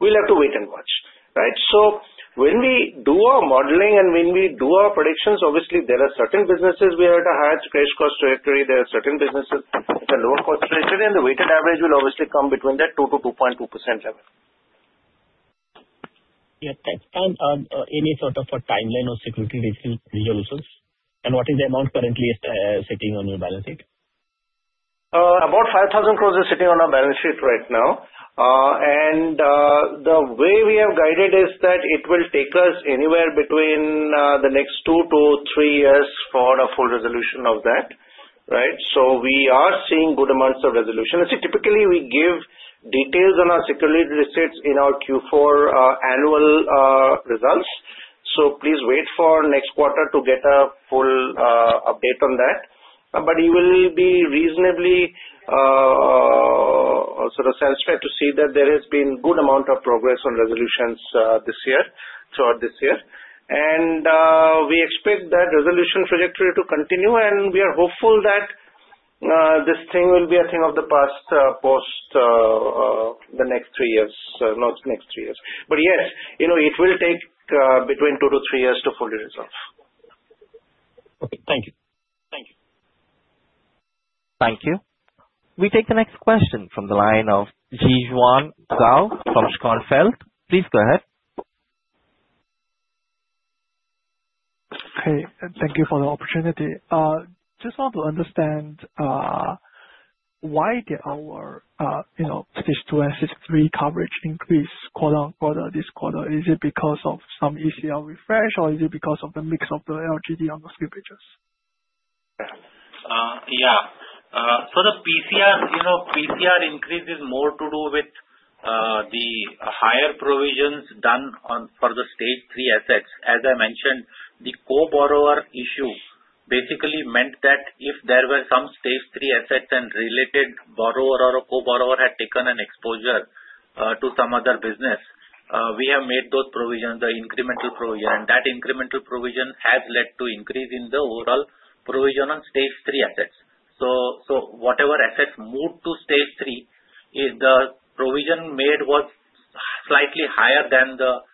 We'll have to wait and watch, right? So when we do our modeling and when we do our predictions, obviously, there are certain businesses we have at a higher credit cost trajectory. There are certain businesses at a lower cost trajectory, and the weighted average will obviously come between that 2%-2.2% level. Yeah. Can you touch on any sort of a timeline of security receipt resolutions? And what is the amount currently sitting on your balance sheet? About 5,000 crores is sitting on our balance sheet right now. And the way we have guided is that it will take us anywhere between the next two to three years for a full resolution of that, right? So we are seeing good amounts of resolution. Typically, we give details on our security receipts in our Q4 annual results. So please wait for next quarter to get a full update on that. But it will be reasonably sort of satisfied to see that there has been good amount of progress on resolutions this year or this year. And we expect that resolution trajectory to continue, and we are hopeful that this thing will be a thing of the past post the next three years, not next three years. But yes, it will take between two to three years to fully resolve. Okay. Thank you. Thank you. Thank you. We take the next question from the line of Jixuan Gao from Schonfeld. Please go ahead. Hey, thank you for the opportunity. Just want to understand why did our Stage 2 and Stage 3 coverage increase quarter on quarter this quarter? Is it because of some ECR refresh, or is it because of the mix of the LGD on the slippages? Yeah. So the PCR increase is more to do with the higher provisions done for the Stage 3 assets. As I mentioned, the co-borrower issue basically meant that if there were some Stage 3 assets and related borrower or a co-borrower had taken an exposure to some other business, we have made those provisions, the incremental provision. And that incremental provision has led to increase in the overall provision on Stage 3 assets. So whatever assets moved to Stage 3, the provision made was slightly higher than the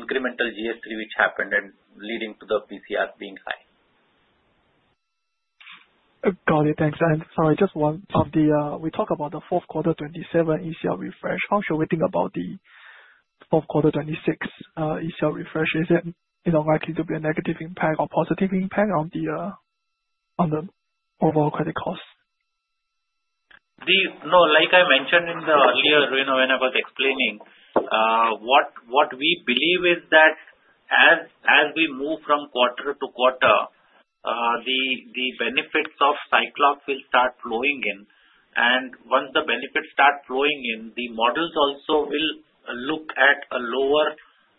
incremental GS3, which happened and leading to the PCR being high. Got it. Thanks. And sorry, just one of the we talked about the fourth quarter 2027 ECL refresh. How should we think about the fourth quarter 2026 ECL refresh? Is it likely to be a negative impact or positive impact on the overall credit cost? No, like I mentioned in the earlier when I was explaining, what we believe is that as we move from quarter to quarter, the benefits of Cyclops will start flowing in. And once the benefits start flowing in, the models also will look at a lower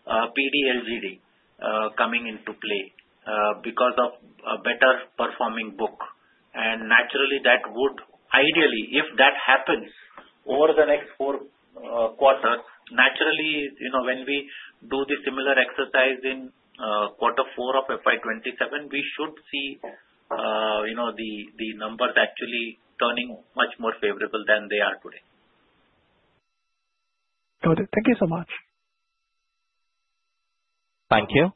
PD LGD coming into play because of a better performing book. And naturally, that would ideally, if that happens over the next four quarters, naturally, when we do the similar exercise in quarter four of FY27, we should see the numbers actually turning much more favorable than they are today. Got it. Thank you so much. Thank you.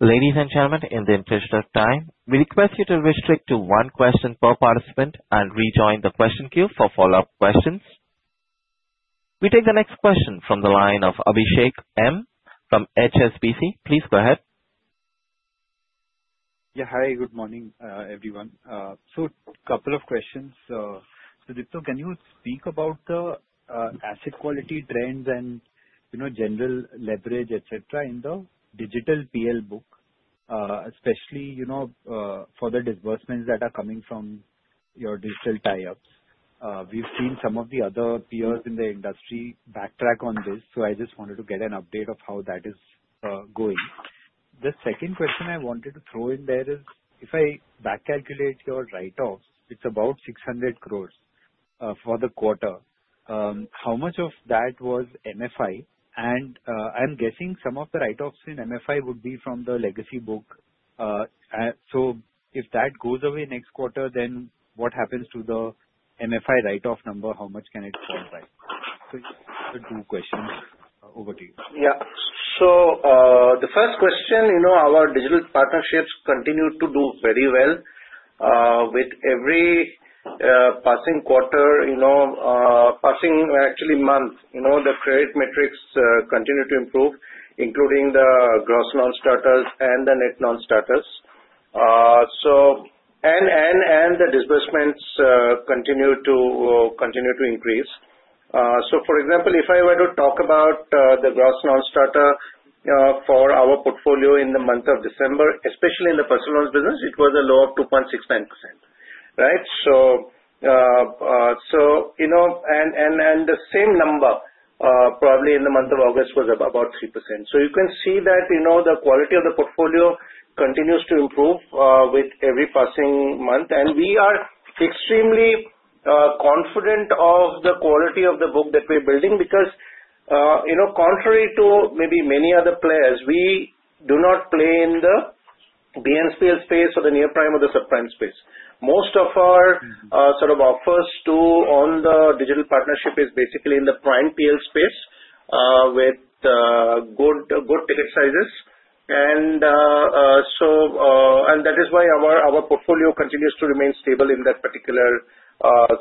Ladies and gentlemen, in the interest of time, we request you to restrict to one question per participant and rejoin the question queue for follow-up questions. We take the next question from the line of Abhishek M from HSBC. Please go ahead. Yeah. Hi. Good morning, everyone. So a couple of questions. So Sudipta, can you speak about the asset quality trends and general leverage, etc., in the digital PL book, especially for the disbursements that are coming from your digital tie-ups? We've seen some of the other peers in the industry backtrack on this, so I just wanted to get an update of how that is going. The second question I wanted to throw in there is, if I back-calculate your write-offs, it's about 600 crores for the quarter. How much of that was MFI? And I'm guessing some of the write-offs in MFI would be from the legacy book. So if that goes away next quarter, then what happens to the MFI write-off number? How much can it co me back? So two questions over to you. Yeah. So the first question, our digital partnerships continue to do very well. With every passing quarter, passing actually month, the credit metrics continue to improve, including the Gross NPAs and the net non-starters. And the disbursements continue to increase. So for example, if I were to talk about the gross non-starter for our portfolio in the month of December, especially in the personal loans business, it was a low of 2.69%, right? So and the same number, probably in the month of August, was about 3%. So you can see that the quality of the portfolio continues to improve with every passing month. And we are extremely confident of the quality of the book that we're building because, contrary to maybe many other players, we do not play in the BNPL space or the near prime or the subprime space. Most of our sort of offers to on the digital partnership is basically in the prime PL space with good ticket sizes. That is why our portfolio continues to remain stable in that particular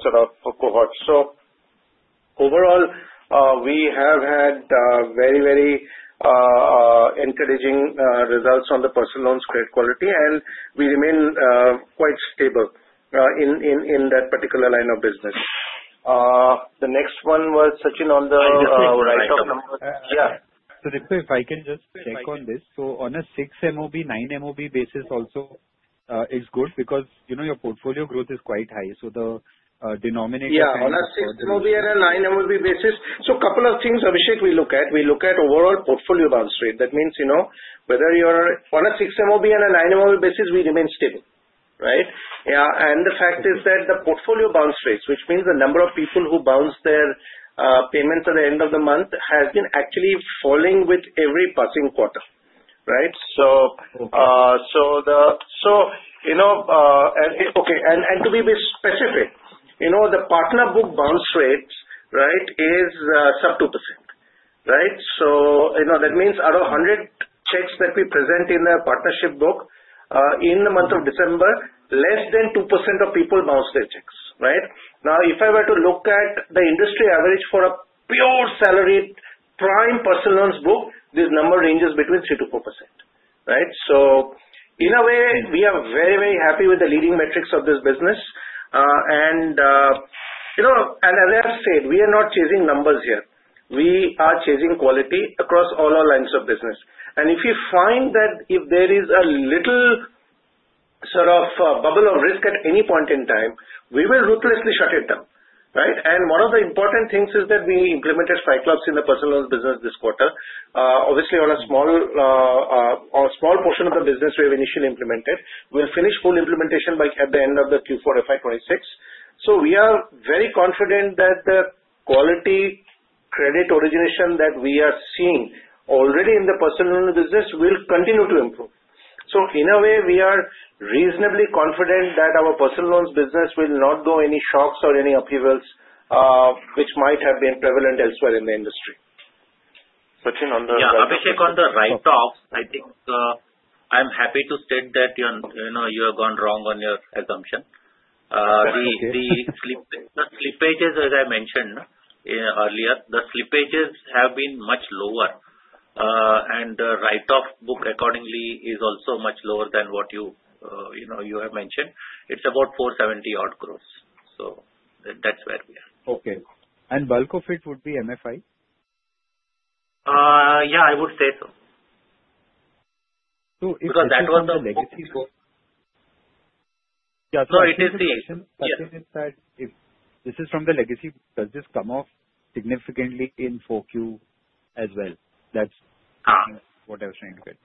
sort of cohort. So overall, we have had very, very encouraging results on the personal loans credit quality, and we remain quite stable in that particular line of business. The next one was Sachinn on the. I just saw a write-off number. Yeah. So Sudipta, if I can just check on this. So on a 6 MOB, 9 MOB basis also, it's good because your portfolio growth is quite high. So the denominator. Yeah. On a 6 MOB and a 9 MOB basis, so a couple of things, Abhishek, we look at. We look at overall portfolio bounce rate. That means whether you're on a 6 MOB and a 9 MOB basis, we remain stable, right? The fact is that the portfolio bounce rates, which means the number of people who bounce their payments at the end of the month, has been actually falling with every passing quarter, right? To be specific, the partner book bounce rate, right, is sub 2%, right? That means out of 100 checks that we present in the partnership book in the month of December, less than 2% of people bounce their checks, right? Now, if I were to look at the industry average for a pure salary prime personal loans book, this number ranges between 3%-4%, right? In a way, we are very, very happy with the leading metrics of this business. As I have said, we are not chasing numbers here. We are chasing quality across all our lines of business. And if you find that if there is a little sort of bubble of risk at any point in time, we will ruthlessly shut it down, right? And one of the important things is that we implemented Cyclops in the personal loans business this quarter. Obviously, on a small portion of the business we have initially implemented, we'll finish full implementation by at the end of the Q4 FY26. So we are very confident that the quality credit origination that we are seeing already in the personal loan business will continue to improve. So in a way, we are reasonably confident that our personal loans business will not go any shocks or any upheavals, which might have been prevalent elsewhere in the industry. Sachinn on the. Yeah. Abhishek on the write-offs, I think I'm happy to state that you have gone wrong on your assumption. The slippages, as I mentioned earlier, the slippages have been much lower. And the write-off book accordingly is also much lower than what you have mentioned. It's about 470 odd crores. So that's where we are. Okay. And bulk of it would be MFI? Yeah. I would say so. Because that was the legacy book. Yeah. Question is that if this is from the legacy, does this come off significantly in 4Q as well? That's what I was trying to get.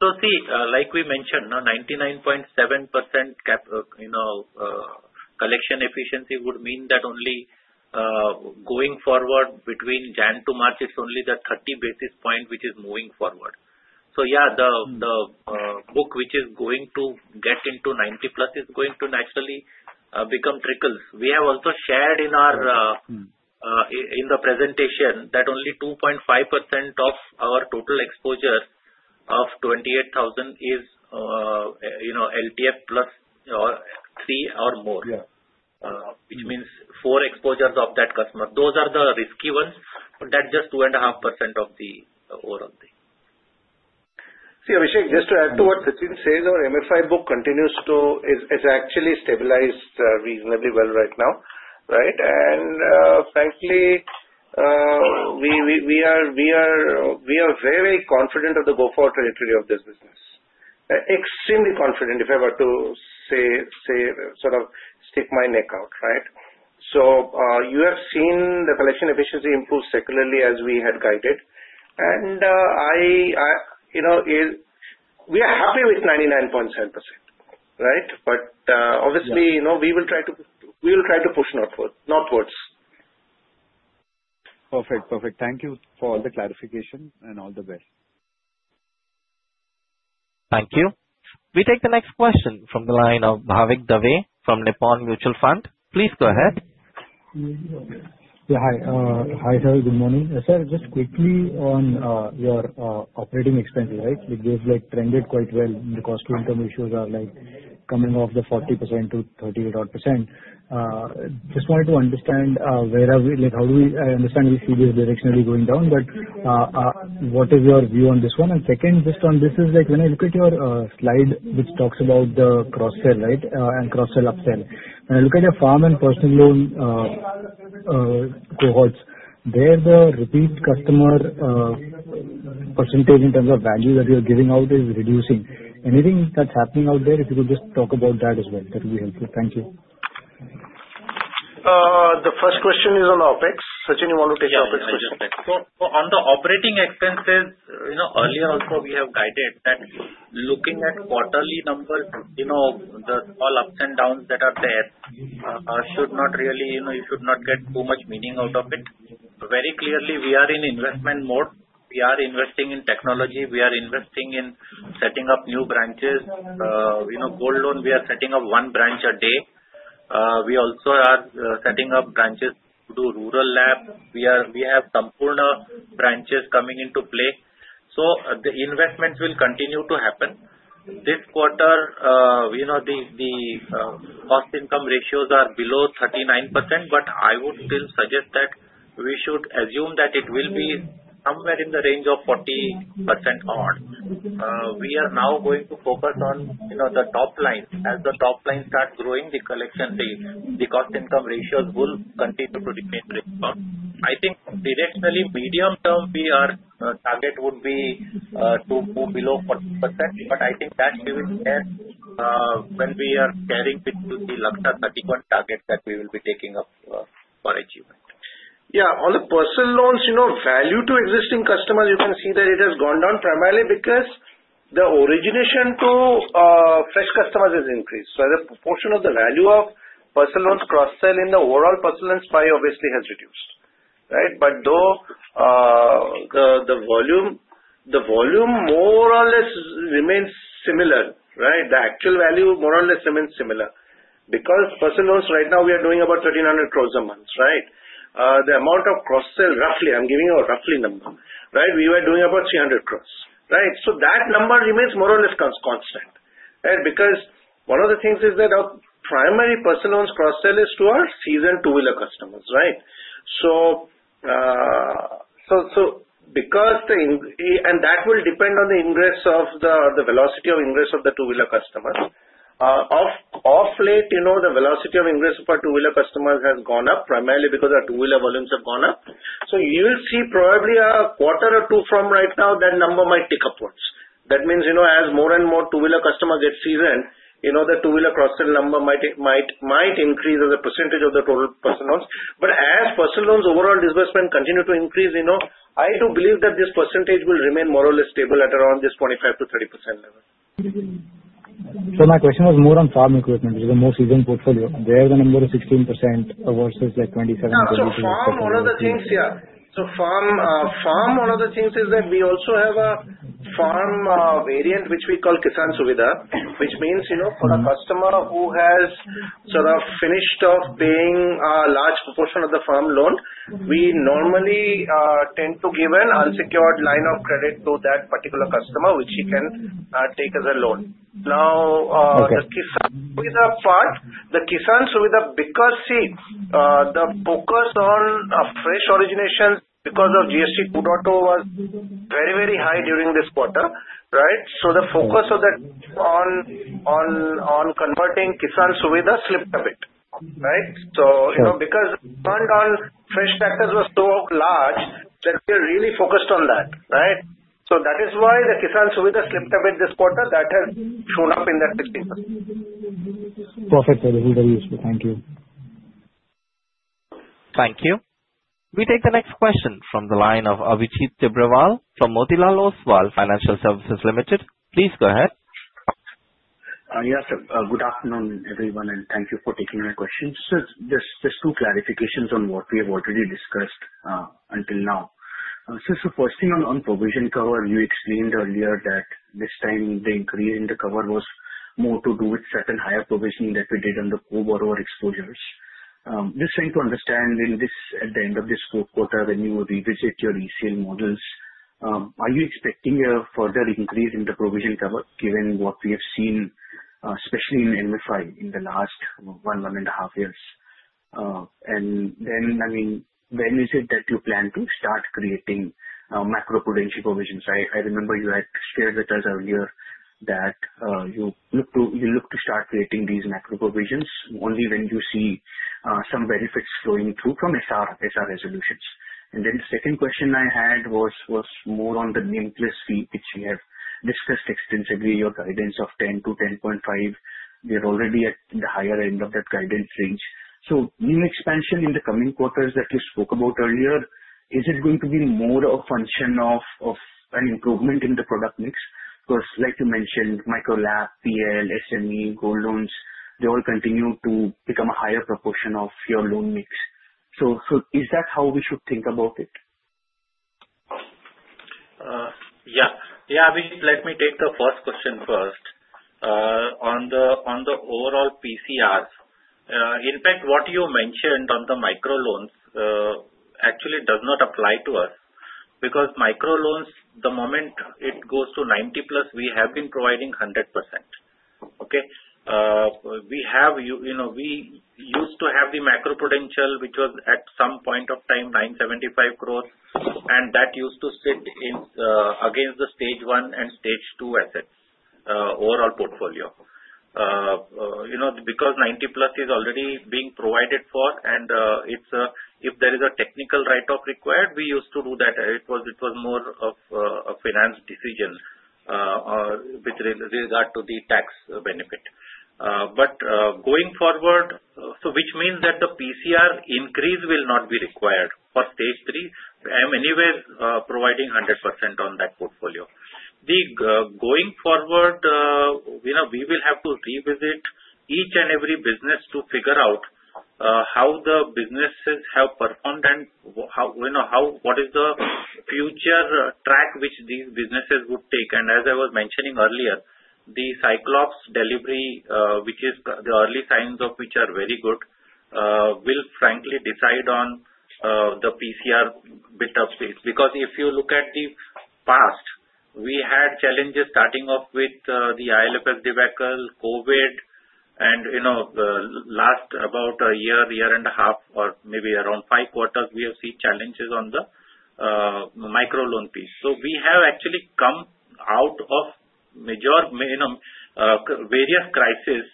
So see, like we mentioned, 99.7% collection efficiency would mean that only going forward between January to March, it's only the 30 basis point which is moving forward. So yeah, the book which is going to get into 90 plus is going to naturally become trickles. We have also shared in the presentation that only 2.5% of our total exposure of 28,000 is L&T Finance loan plus three or more, which means four exposures of that customer. Those are the risky ones, but that's just 2.5% of the overall thing. See, Abhishek, just to add to what Sachinn says, our MFI book continues to be actually stabilized reasonably well right now, right? And frankly, we are very, very confident of the go-forward trajectory of this business. Extremely confident if I were to say sort of stick my neck out, right? So you have seen the collection efficiency improve secularly as we had guided. And we are happy with 99.7%, right? But obviously, we will try to push northwards. Perfect. Perfect. Thank you for all the clarification and all the best. Thank you. We take the next question from the line of Bhavik Dave from Nippon Mutual Fund. Please go ahead. Yeah. Hi. Hi, sir. Good morning. Sir, just quickly on your operating expenses, right? It has trended quite well. The cost to income ratios are coming off the 40% to 38-odd%. Just wanted to understand where are we? How do we understand we see this directionally going down? But what is your view on this one? And second, just on this is when I look at your slide which talks about the cross-sell, right, and cross-sell upsell. When I look at your farm and personal loan cohorts, there the repeat customer percentage in terms of value that you're giving out is reducing. Anything that's happening out there, if you could just talk about that as well, that would be helpful. Thank you. The first question is on the OpEx. Sachinn, you want to take the OpEx question? So, on the operating expenses, earlier also we have guided that looking at quarterly numbers, all ups and downs that are there should not really you should not get too much meaning out of it. Very clearly, we are in investment mode. We are investing in technology. We are investing in setting up new branches. Gold Loans, we are setting up one branch a day. We also are setting up branches to do Rural LAP. We have some Sampoorna branches coming into play. So the investments will continue to happen. This quarter, the cost income ratios are below 39%, but I would still suggest that we should assume that it will be somewhere in the range of 40% odd. We are now going to focus on the top line. As the top line starts growing, the collection, the cost income ratios will continue to decrease. I think traditionally, medium term, our target would be to go below 40%, but I think that will be there when we are carrying with the Lakshya 31 targets that we will be taking up for achievement. Yeah. On the personal loans, value to existing customers, you can see that it has gone down primarily because the origination to fresh customers has increased. So the proportion of the value of personal loans cross-sell in the overall personal loans pie obviously has reduced, right? But though the volume more or less remains similar, right? The actual value more or less remains similar because personal loans right now we are doing about 1,300 crores a month, right? The amount of cross-sell, roughly, I'm giving you a rough number, right? We were doing about 300 crores, right? So that number remains more or less constant, right? Because one of the things is that our primary personal loans cross-sell is to our seasoned two-wheeler customers, right? So because that will depend on the ingress of the velocity of ingress of the two-wheeler customers. Of late, the velocity of ingress for two-wheeler customers has gone up primarily because our two-wheeler volumes have gone up. So you will see probably a quarter or two from right now, that number might tick upwards. That means as more and more two-wheeler customers get seasoned, the two-wheeler cross-sell number might increase as a percentage of the total personal loans. But as personal loans overall disbursement continue to increase, I do believe that this percentage will remain more or less stable at around this 25%-30% level. So my question was more on farm equipment, which is the most seasoned portfolio. There, the number is 16% versus like 27%, 22%. So farm, one of the things, yeah. So farm, one of the things is that we also have a farm variant which we call Kisan Suvidha, which means for a customer who has sort of finished off paying a large proportion of the farm loan, we normally tend to give an unsecured line of credit to that particular customer, which he can take as a loan. Now, the Kisan Suvidha part, the Kisan Suvidha, because see, the focus on fresh origination because of GST 2.0 was very, very high during this quarter, right? The focus on converting Kisan Suvidha slipped a bit, right? Because demand on fresh tractors was so large, that we are really focused on that, right? That is why the Kisan Suvidha slipped a bit this quarter. That has shown up in that particular. Perfect. That is very useful. Thank you. Thank you. We take the next question from the line of Abhijit Tibrewal from Motilal Oswal Financial Services Limited. Please go ahead. Yes. Good afternoon, everyone, and thank you for taking my questions. Just two clarifications on what we have already discussed until now. So first thing on provision cover, you explained earlier that this time the increase in the cover was more to do with certain higher provisioning that we did on the core borrower exposures. Just trying to understand at the end of this quarter, when you revisit your ECL models, are you expecting a further increase in the provision cover given what we have seen, especially in MFI in the last one and a half years? And then, I mean, when is it that you plan to start creating macroprudential provisions? I remember you had shared with us earlier that you look to start creating these macro provisions only when you see some benefits flowing through from SR resolutions. And then the second question I had was more on the NIM plus fee, which we have discussed extensively, your guidance of 10%-10.5%. We are already at the higher end of that guidance range. So new expansion in the coming quarters that you spoke about earlier, is it going to be more a function of an improvement in the product mix? Because like you mentioned, Micro LAP, PL, SME, Gold Loans, they all continue to become a higher proportion of your loan mix. So is that how we should think about it? Yeah. Yeah. Abhijit, let me take the first question first. On the overall PCRs, in fact, what you mentioned on the micro loans actually does not apply to us because micro loans, the moment it goes to 90 plus, we have been providing 100%, okay? We used to have the macroprudential, which was at some point of time 975 crores, and that used to sit against the Stage 1 and Stage 2 assets, overall portfolio. Because 90 plus is already being provided for, and if there is a technical write-off required, we used to do that. It was more of a finance decision with regard to the tax benefit but going forward, which means that the PCR increase will not be required for Stage 3. I am anyway providing 100% on that portfolio. Going forward, we will have to revisit each and every business to figure out how the businesses have performed and what is the future track which these businesses would take, and as I was mentioning earlier, the Cyclops delivery, which is the early signs of which are very good, will frankly decide on the PCR build-up phase. Because if you look at the past, we had challenges starting off with the IL&FS debacle, COVID, and last about a year, year and a half, or maybe around five quarters, we have seen challenges on the micro loan piece. So we have actually come out of various crises,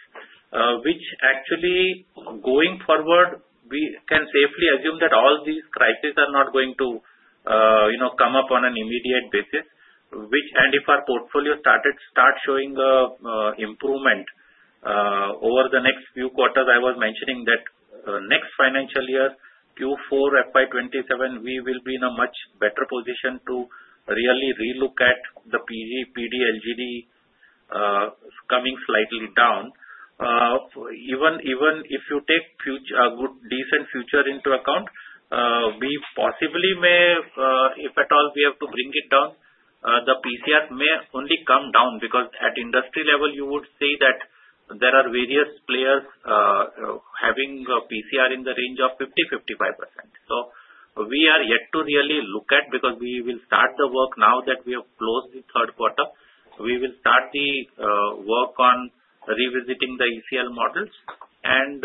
which actually going forward, we can safely assume that all these crises are not going to come up on an immediate basis. And if our portfolio starts showing improvement over the next few quarters, I was mentioning that next financial year, Q4 FY27, we will be in a much better position to really relook at the EAD, PD, LGD coming slightly down. Even if you take a decent future into account, we possibly may, if at all we have to bring it down, the PCR may only come down because at industry level, you would see that there are various players having PCR in the range of 50%-55%. So we are yet to really look at because we will start the work now that we have closed the third quarter. We will start the work on revisiting the ECL models. And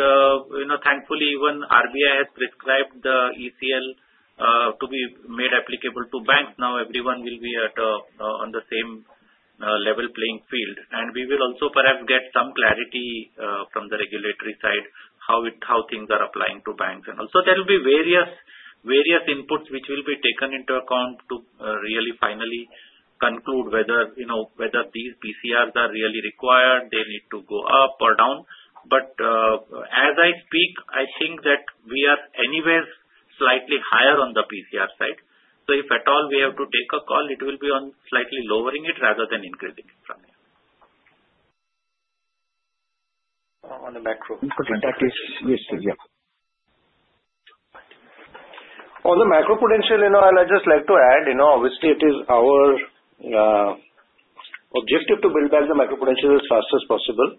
thankfully, even RBI has prescribed the ECL to be made applicable to banks. Now everyone will be on the same level playing field. And we will also perhaps get some clarity from the regulatory side how things are applying to banks. And so there will be various inputs which will be taken into account to really finally conclude whether these PCRs are really required, they need to go up or down. But as I speak, I think that we are anyway slightly higher on the PCR side. So if at all we have to take a call, it will be on slightly lowering it rather than increasing it from here. On the macroprudential. On the macroprudential, I'll just like to add, obviously, it is our objective to build back the macroprudential as fast as possible.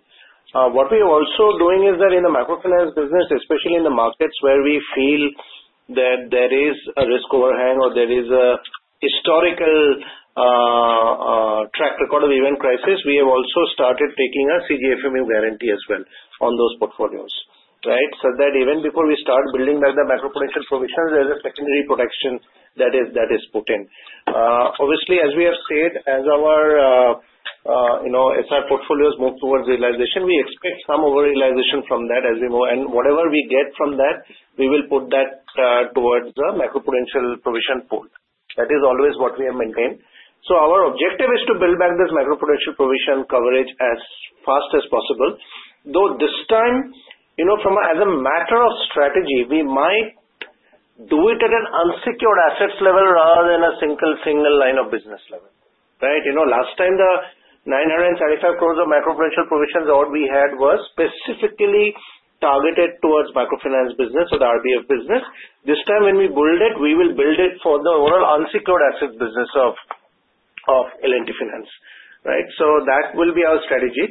What we are also doing is that in the microfinance business, especially in the markets where we feel that there is a risk overhang or there is a historical track record of event crisis, we have also started taking a CGFMU guarantee as well on those portfolios, right? So that even before we start building back the macroprudential provisions, there is a secondary protection that is put in. Obviously, as we have said, as our SR portfolios move towards realization, we expect some over-realization from that as we move. And whatever we get from that, we will put that towards the macroprudential provision pool. That is always what we have maintained. So our objective is to build back this macroprudential provision coverage as fast as possible. Though this time, as a matter of strategy, we might do it at an unsecured assets level rather than a single line of business level, right? Last time, the 975 crores of macroprudential provisions that we had was specifically targeted towards microfinance business or the RBF business. This time, when we build it, we will build it for the overall unsecured assets business of L&T Finance, right? So that will be our strategy.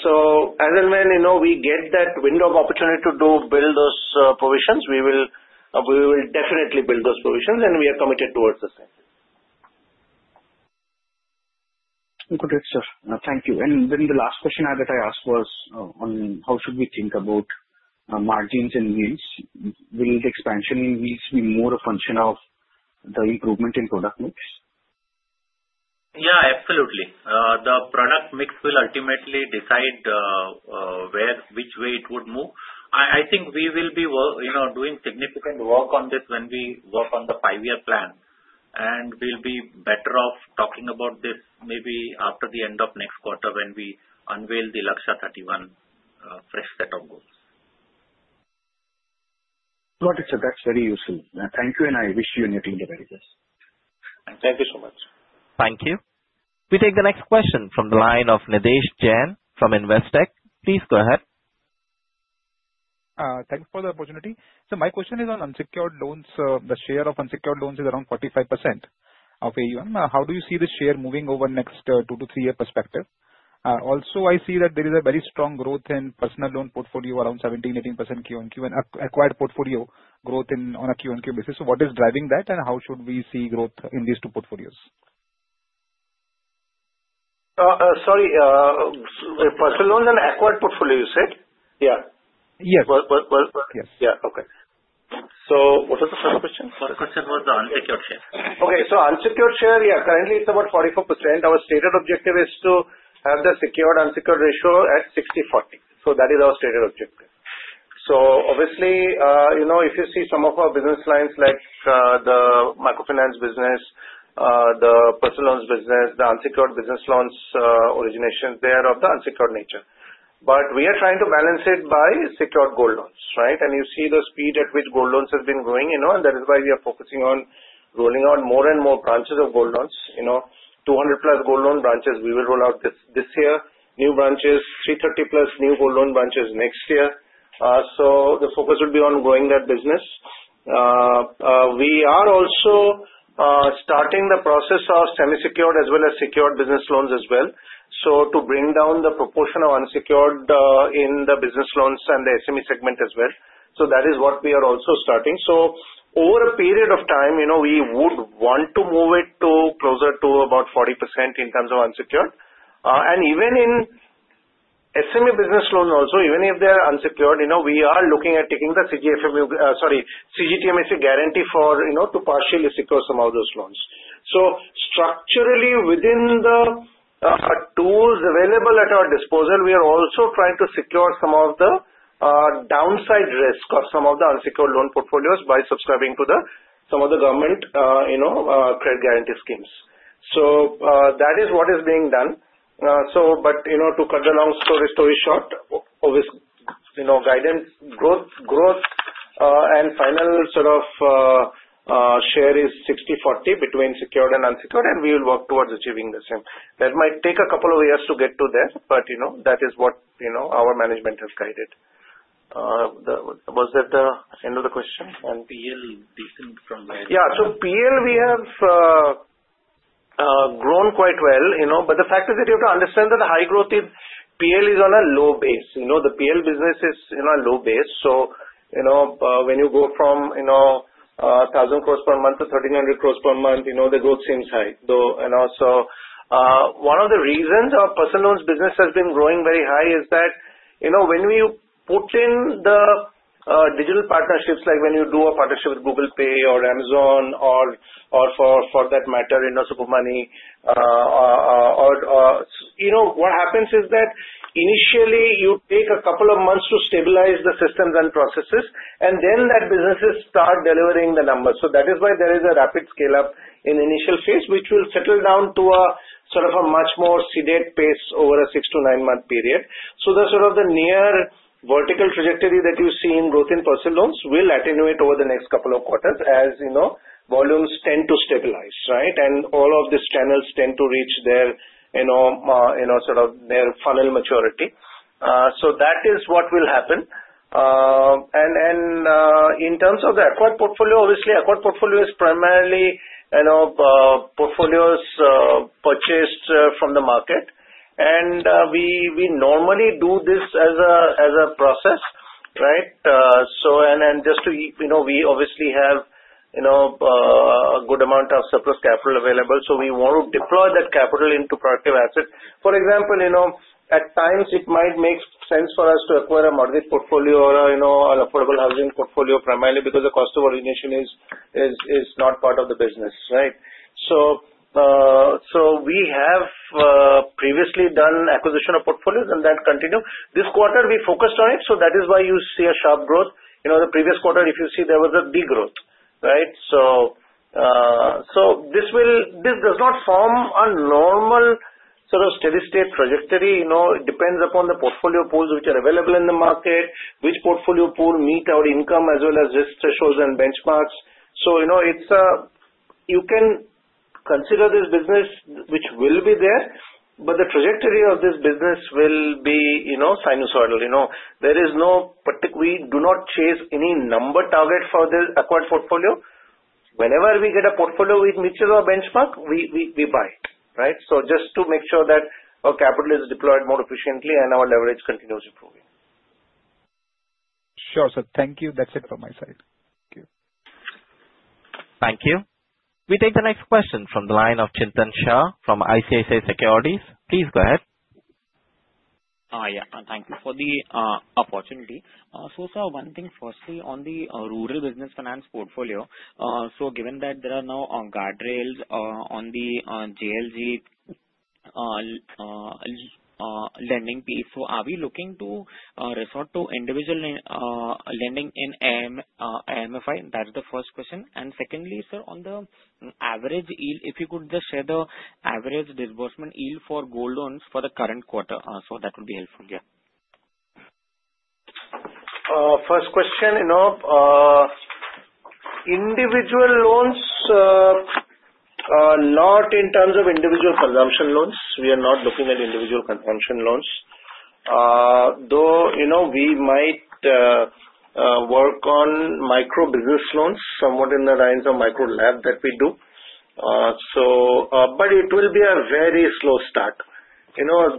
So as and when we get that window of opportunity to build those provisions, we will definitely build those provisions, and we are committed towards the same. Good. Thank you. And then the last question that I asked was on how should we think about margins and yields? Will the expansion in yields be more a function of the improvement in product mix? Yeah, absolutely. The product mix will ultimately decide which way it would move. I think we will be doing significant work on this when we work on the five-year plan. And we'll be better off talking about this maybe after the end of next quarter when we unveil the Lakshya 31 fresh set of goals. Got it. So that's very useful. Thank you, and I wish you and your team the very best. Thank you so much. Thank you. We take the next question from the line of Nidhesh Jain from Investec. Please go ahead. Thanks for the opportunity. So my question is on unsecured loans. The share of unsecured loans is around 45% of AUM. How do you see this share moving over next two- to three-year perspective? Also, I see that there is a very strong growth in personal loan portfolio around 17%-18% Q1Q and acquired portfolio growth on a Q1Q basis. So what is driving that, and how should we see growth in these two portfolios? Sorry. Personal loans and acquired portfolio, you said? Yeah. Yes. Yes. Yeah. Okay. So what was the first question? First question was the unsecured share. Okay. So unsecured share, yeah, currently it's about 44%. Our stated objective is to have the secured-unsecured ratio at 60-40. So that is our stated objective. So obviously, if you see some of our business lines like the micro finance business, the personal loans business, the unsecured business loans origination, they are of the unsecured nature. But we are trying to balance it by secured gold loans, right? You see the speed at which gold loans have been growing, and that is why we are focusing on rolling out more and more branches of gold loans. 200-plus gold loan branches, we will roll out this year. New branches, 330-plus new gold loan branches next year. The focus will be on growing that business. We are also starting the process of semi-secured as well as secured business loans as well. This is to bring down the proportion of unsecured in the business loans and the SME segment as well. That is what we are also starting. Over a period of time, we would want to move it closer to about 40% in terms of unsecured. Even in SME business loans also, even if they are unsecured, we are looking at taking the CGFMU, sorry, CGTMSE guarantee to partially secure some of those loans. So structurally, within the tools available at our disposal, we are also trying to secure some of the downside risk of some of the unsecured loan portfolios by subscribing to some of the government credit guarantee schemes. So that is what is being done. But to cut the long story short, obviously, guidance growth and final sort of share is 60-40 between secured and unsecured, and we will work towards achieving the same. That might take a couple of years to get to there, but that is what our management has guided. Was that the end of the question? And PL, decent from where? Yeah. So PL, we have grown quite well. But the fact is that you have to understand that the high growth is PL is on a low base. The PL business is on a low base. So when you go from 1,000 crores per month to 1,300 crores per month, the growth seems high. And also, one of the reasons our personal loans business has been growing very high is that when we put in the digital partnerships, like when you do a partnership with Google Pay or Amazon or for that matter, SuperMoney, what happens is that initially, you take a couple of months to stabilize the systems and processes, and then that businesses start delivering the numbers. So that is why there is a rapid scale-up in the initial phase, which will settle down to a sort of a much more sedate pace over a six- to nine-month period. So sort of the near vertical trajectory that you see in growth in personal loans will attenuate over the next couple of quarters as volumes tend to stabilize, right? And all of these channels tend to reach their sort of funnel maturity. So that is what will happen. And in terms of the acquired portfolio, obviously, acquired portfolio is primarily portfolios purchased from the market. And we normally do this as a process, right? And just to we obviously have a good amount of surplus capital available. So we want to deploy that capital into productive assets. For example, at times, it might make sense for us to acquire a mortgage portfolio or an affordable housing portfolio primarily because the cost of origination is not part of the business, right? So we have previously done acquisition of portfolios, and that continues. This quarter, we focused on it. So that is why you see a sharp growth. The previous quarter, if you see, there was a big growth, right? So this does not form a normal sort of steady-state trajectory. It depends upon the portfolio pools which are available in the market, which portfolio pool meets our income as well as risk thresholds and benchmarks. So you can consider this business which will be there, but the trajectory of this business will be sinusoidal. There is no particular. We do not chase any number target for the acquired portfolio. Whenever we get a portfolio which meets our benchmark, we buy it, right? So just to make sure that our capital is deployed more efficiently and our leverage continues improving. Sure. So thank you. That's it from my side. Thank you. Thank you. We take the next question from the line of Chintan Shah from ICICI Securities. Please go ahead. Yeah. Thank you for the opportunity. So one thing, firstly on the Rural Business Finance portfolio. Given that there are no guardrails on the JLG lending piece, are we looking to resort to individual lending in MFI? That's the first question. And secondly, sir, on the average yield, if you could just share the average disbursement yield for gold loans for the current quarter. That would be helpful. Yeah. First question, individual loans, not in terms of individual consumption loans. We are not looking at individual consumption loans. Though we might work on micro business loans somewhat in the lines of Micro LAP that we do. But it will be a very slow start.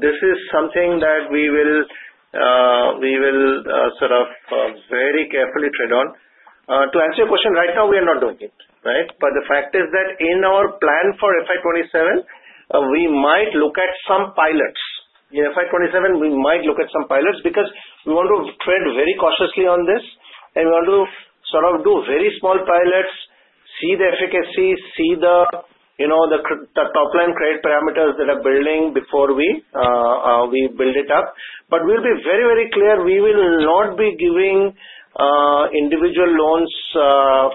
This is something that we will sort of very carefully tread on. To answer your question, right now, we are not doing it, right? But the fact is that in our plan for FY27, we might look at some pilots. In FY27, we might look at some pilots because we want to trade very cautiously on this. And we want to sort of do very small pilots, see the efficacy, see the top-line credit parameters that are building before we build it up. But we'll be very, very clear. We will not be giving individual loans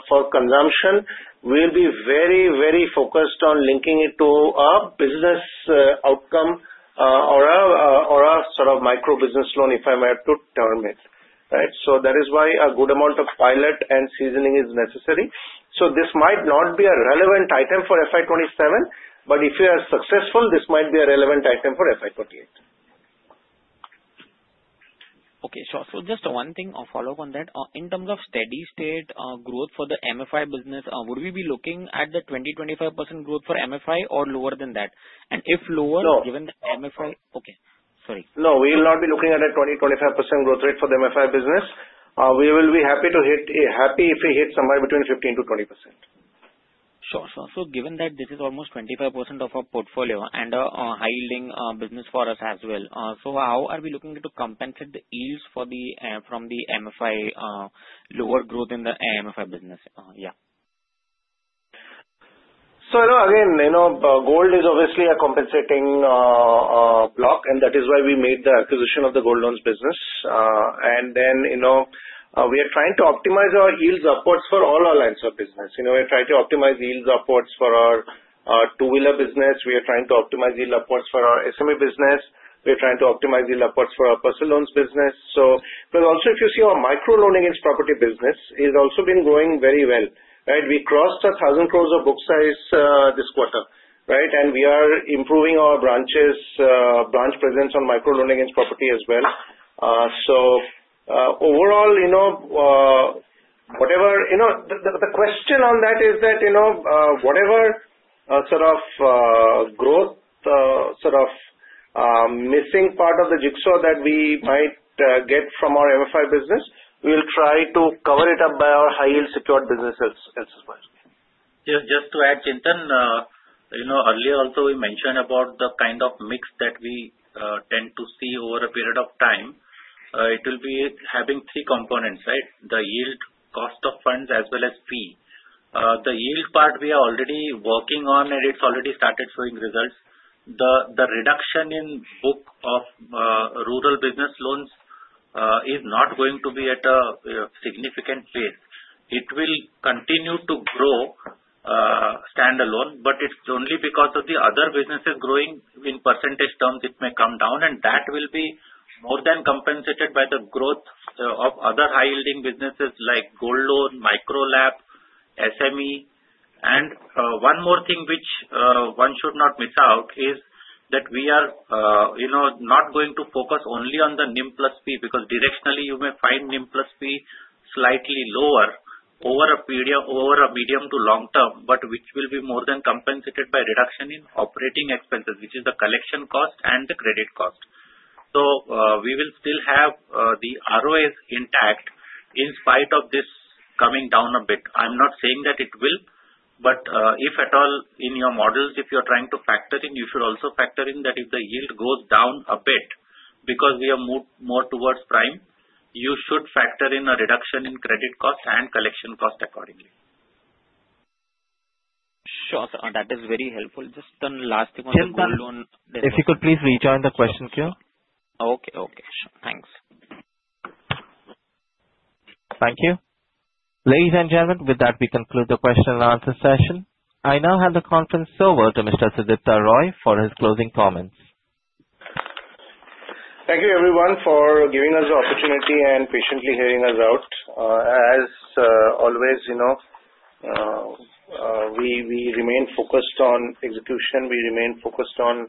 for consumption. We'll be very, very focused on linking it to a business outcome or a sort of micro business loan, if I may have to term it, right? So that is why a good amount of pilot and seasoning is necessary. So this might not be a relevant item for FY27, but if you are successful, this might be a relevant item for FY28. Okay. Sure. So just one thing or follow-up on that. In terms of steady-state growth for the MFI business, would we be looking at the 20%-25% growth for MFI or lower than that? And if lower, given that MFI okay. Sorry. No, we will not be looking at a 20%-25% growth rate for the MFI business. We will be happy if we hit somewhere between 15%-20%. Sure. Sure. So given that this is almost 25% of our portfolio and a high-yielding business for us as well, so how are we looking to compensate the yields from the MFI lower growth in the MFI business? Yeah. So again, gold is obviously a compensating block, and that is why we made the acquisition of the gold loans business. And then we are trying to optimize our yields upwards for all our lines of business. We are trying to optimize yields upwards for our two-wheeler business. We are trying to optimize yield upwards for our SME business. We are trying to optimize yield upwards for our personal loans business. So because also, if you see our Micro Loan Against Property business is also been growing very well, right? We crossed 1,000 crores of book size this quarter, right? And we are improving our branch presence on Micro Loan Against Property as well. So overall, whatever the question on that is that whatever sort of growth, sort of missing part of the jigsaw that we might get from our MFI business, we will try to cover it up by our high-yield secured businesses as well. Just to add, Chintan, earlier also we mentioned about the kind of mix that we tend to see over a period of time. It will be having three components, right? The yield, cost of funds, as well as fee. The yield part we are already working on, and it's already started showing results. The reduction in book of rural business loans is not going to be at a significant pace. It will continue to grow standalone, but it's only because of the other businesses growing in percentage terms, it may come down, and that will be more than compensated by the growth of other high-yielding businesses like gold loan, Micro LAP, SME, and one more thing which one should not miss out is that we are not going to focus only on the NIM plus fee because directionally, you may find NIM plus fee slightly lower over a medium to long term, but which will be more than compensated by reduction in operating expenses, which is the collection cost and the credit cost, so we will still have the ROAs intact in spite of this coming down a bit. I'm not saying that it will, but if at all in your models, if you're trying to factor in, you should also factor in that if the yield goes down a bit because we have moved more towards prime, you should factor in a reduction in credit cost and collection cost accordingly. Sure. That is very helpful. Just one last thing on the gold loan. If you could please rejoin the question queue. Okay. Okay. Sure. Thanks. Thank you. Ladies and gentlemen, with that, we conclude the question and answer session. I now hand the conference over to Mr. Sudipta Roy for his closing comments. Thank you, everyone, for giving us the opportunity and patiently hearing us out. As always, we remain focused on execution. We remain focused on,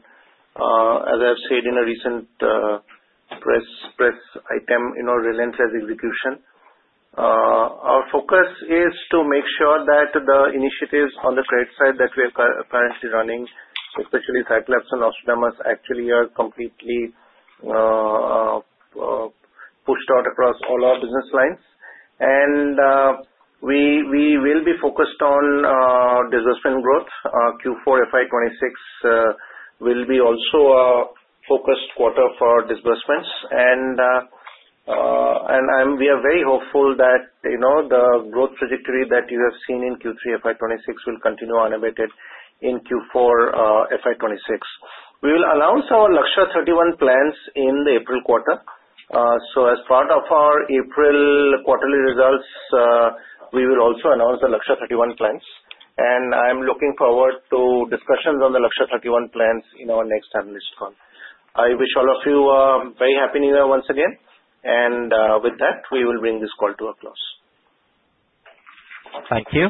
as I've said in a recent press item, relentless execution. Our focus is to make sure that the initiatives on the credit side that we are crrently running, especially Cyclops and Nostradamus, actually are completely pushed out across all our business lines. And we will be focused on disbursement growth. Q4 FY26 will be also a focused quarter for disbursements. And we are very hopeful that the growth trajectory that you have seen in Q3 FY26 will continue unabated in Q4 FY26. We will announce our Lakshya 31 plans in the April quarter. So as part of our April quarterly results, we will also announce the Lakshya 31 plans. And I'm looking forward to discussions on the Lakshya 31 plans in our next analyst call. I wish all of you a very happy New Year once again. And with that, we will bring this call to a close. Thank you.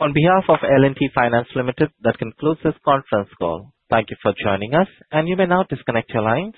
On behalf of L&T Finance Limited, that concludes this conference call. Thank you for joining us. You may now disconnect your lines.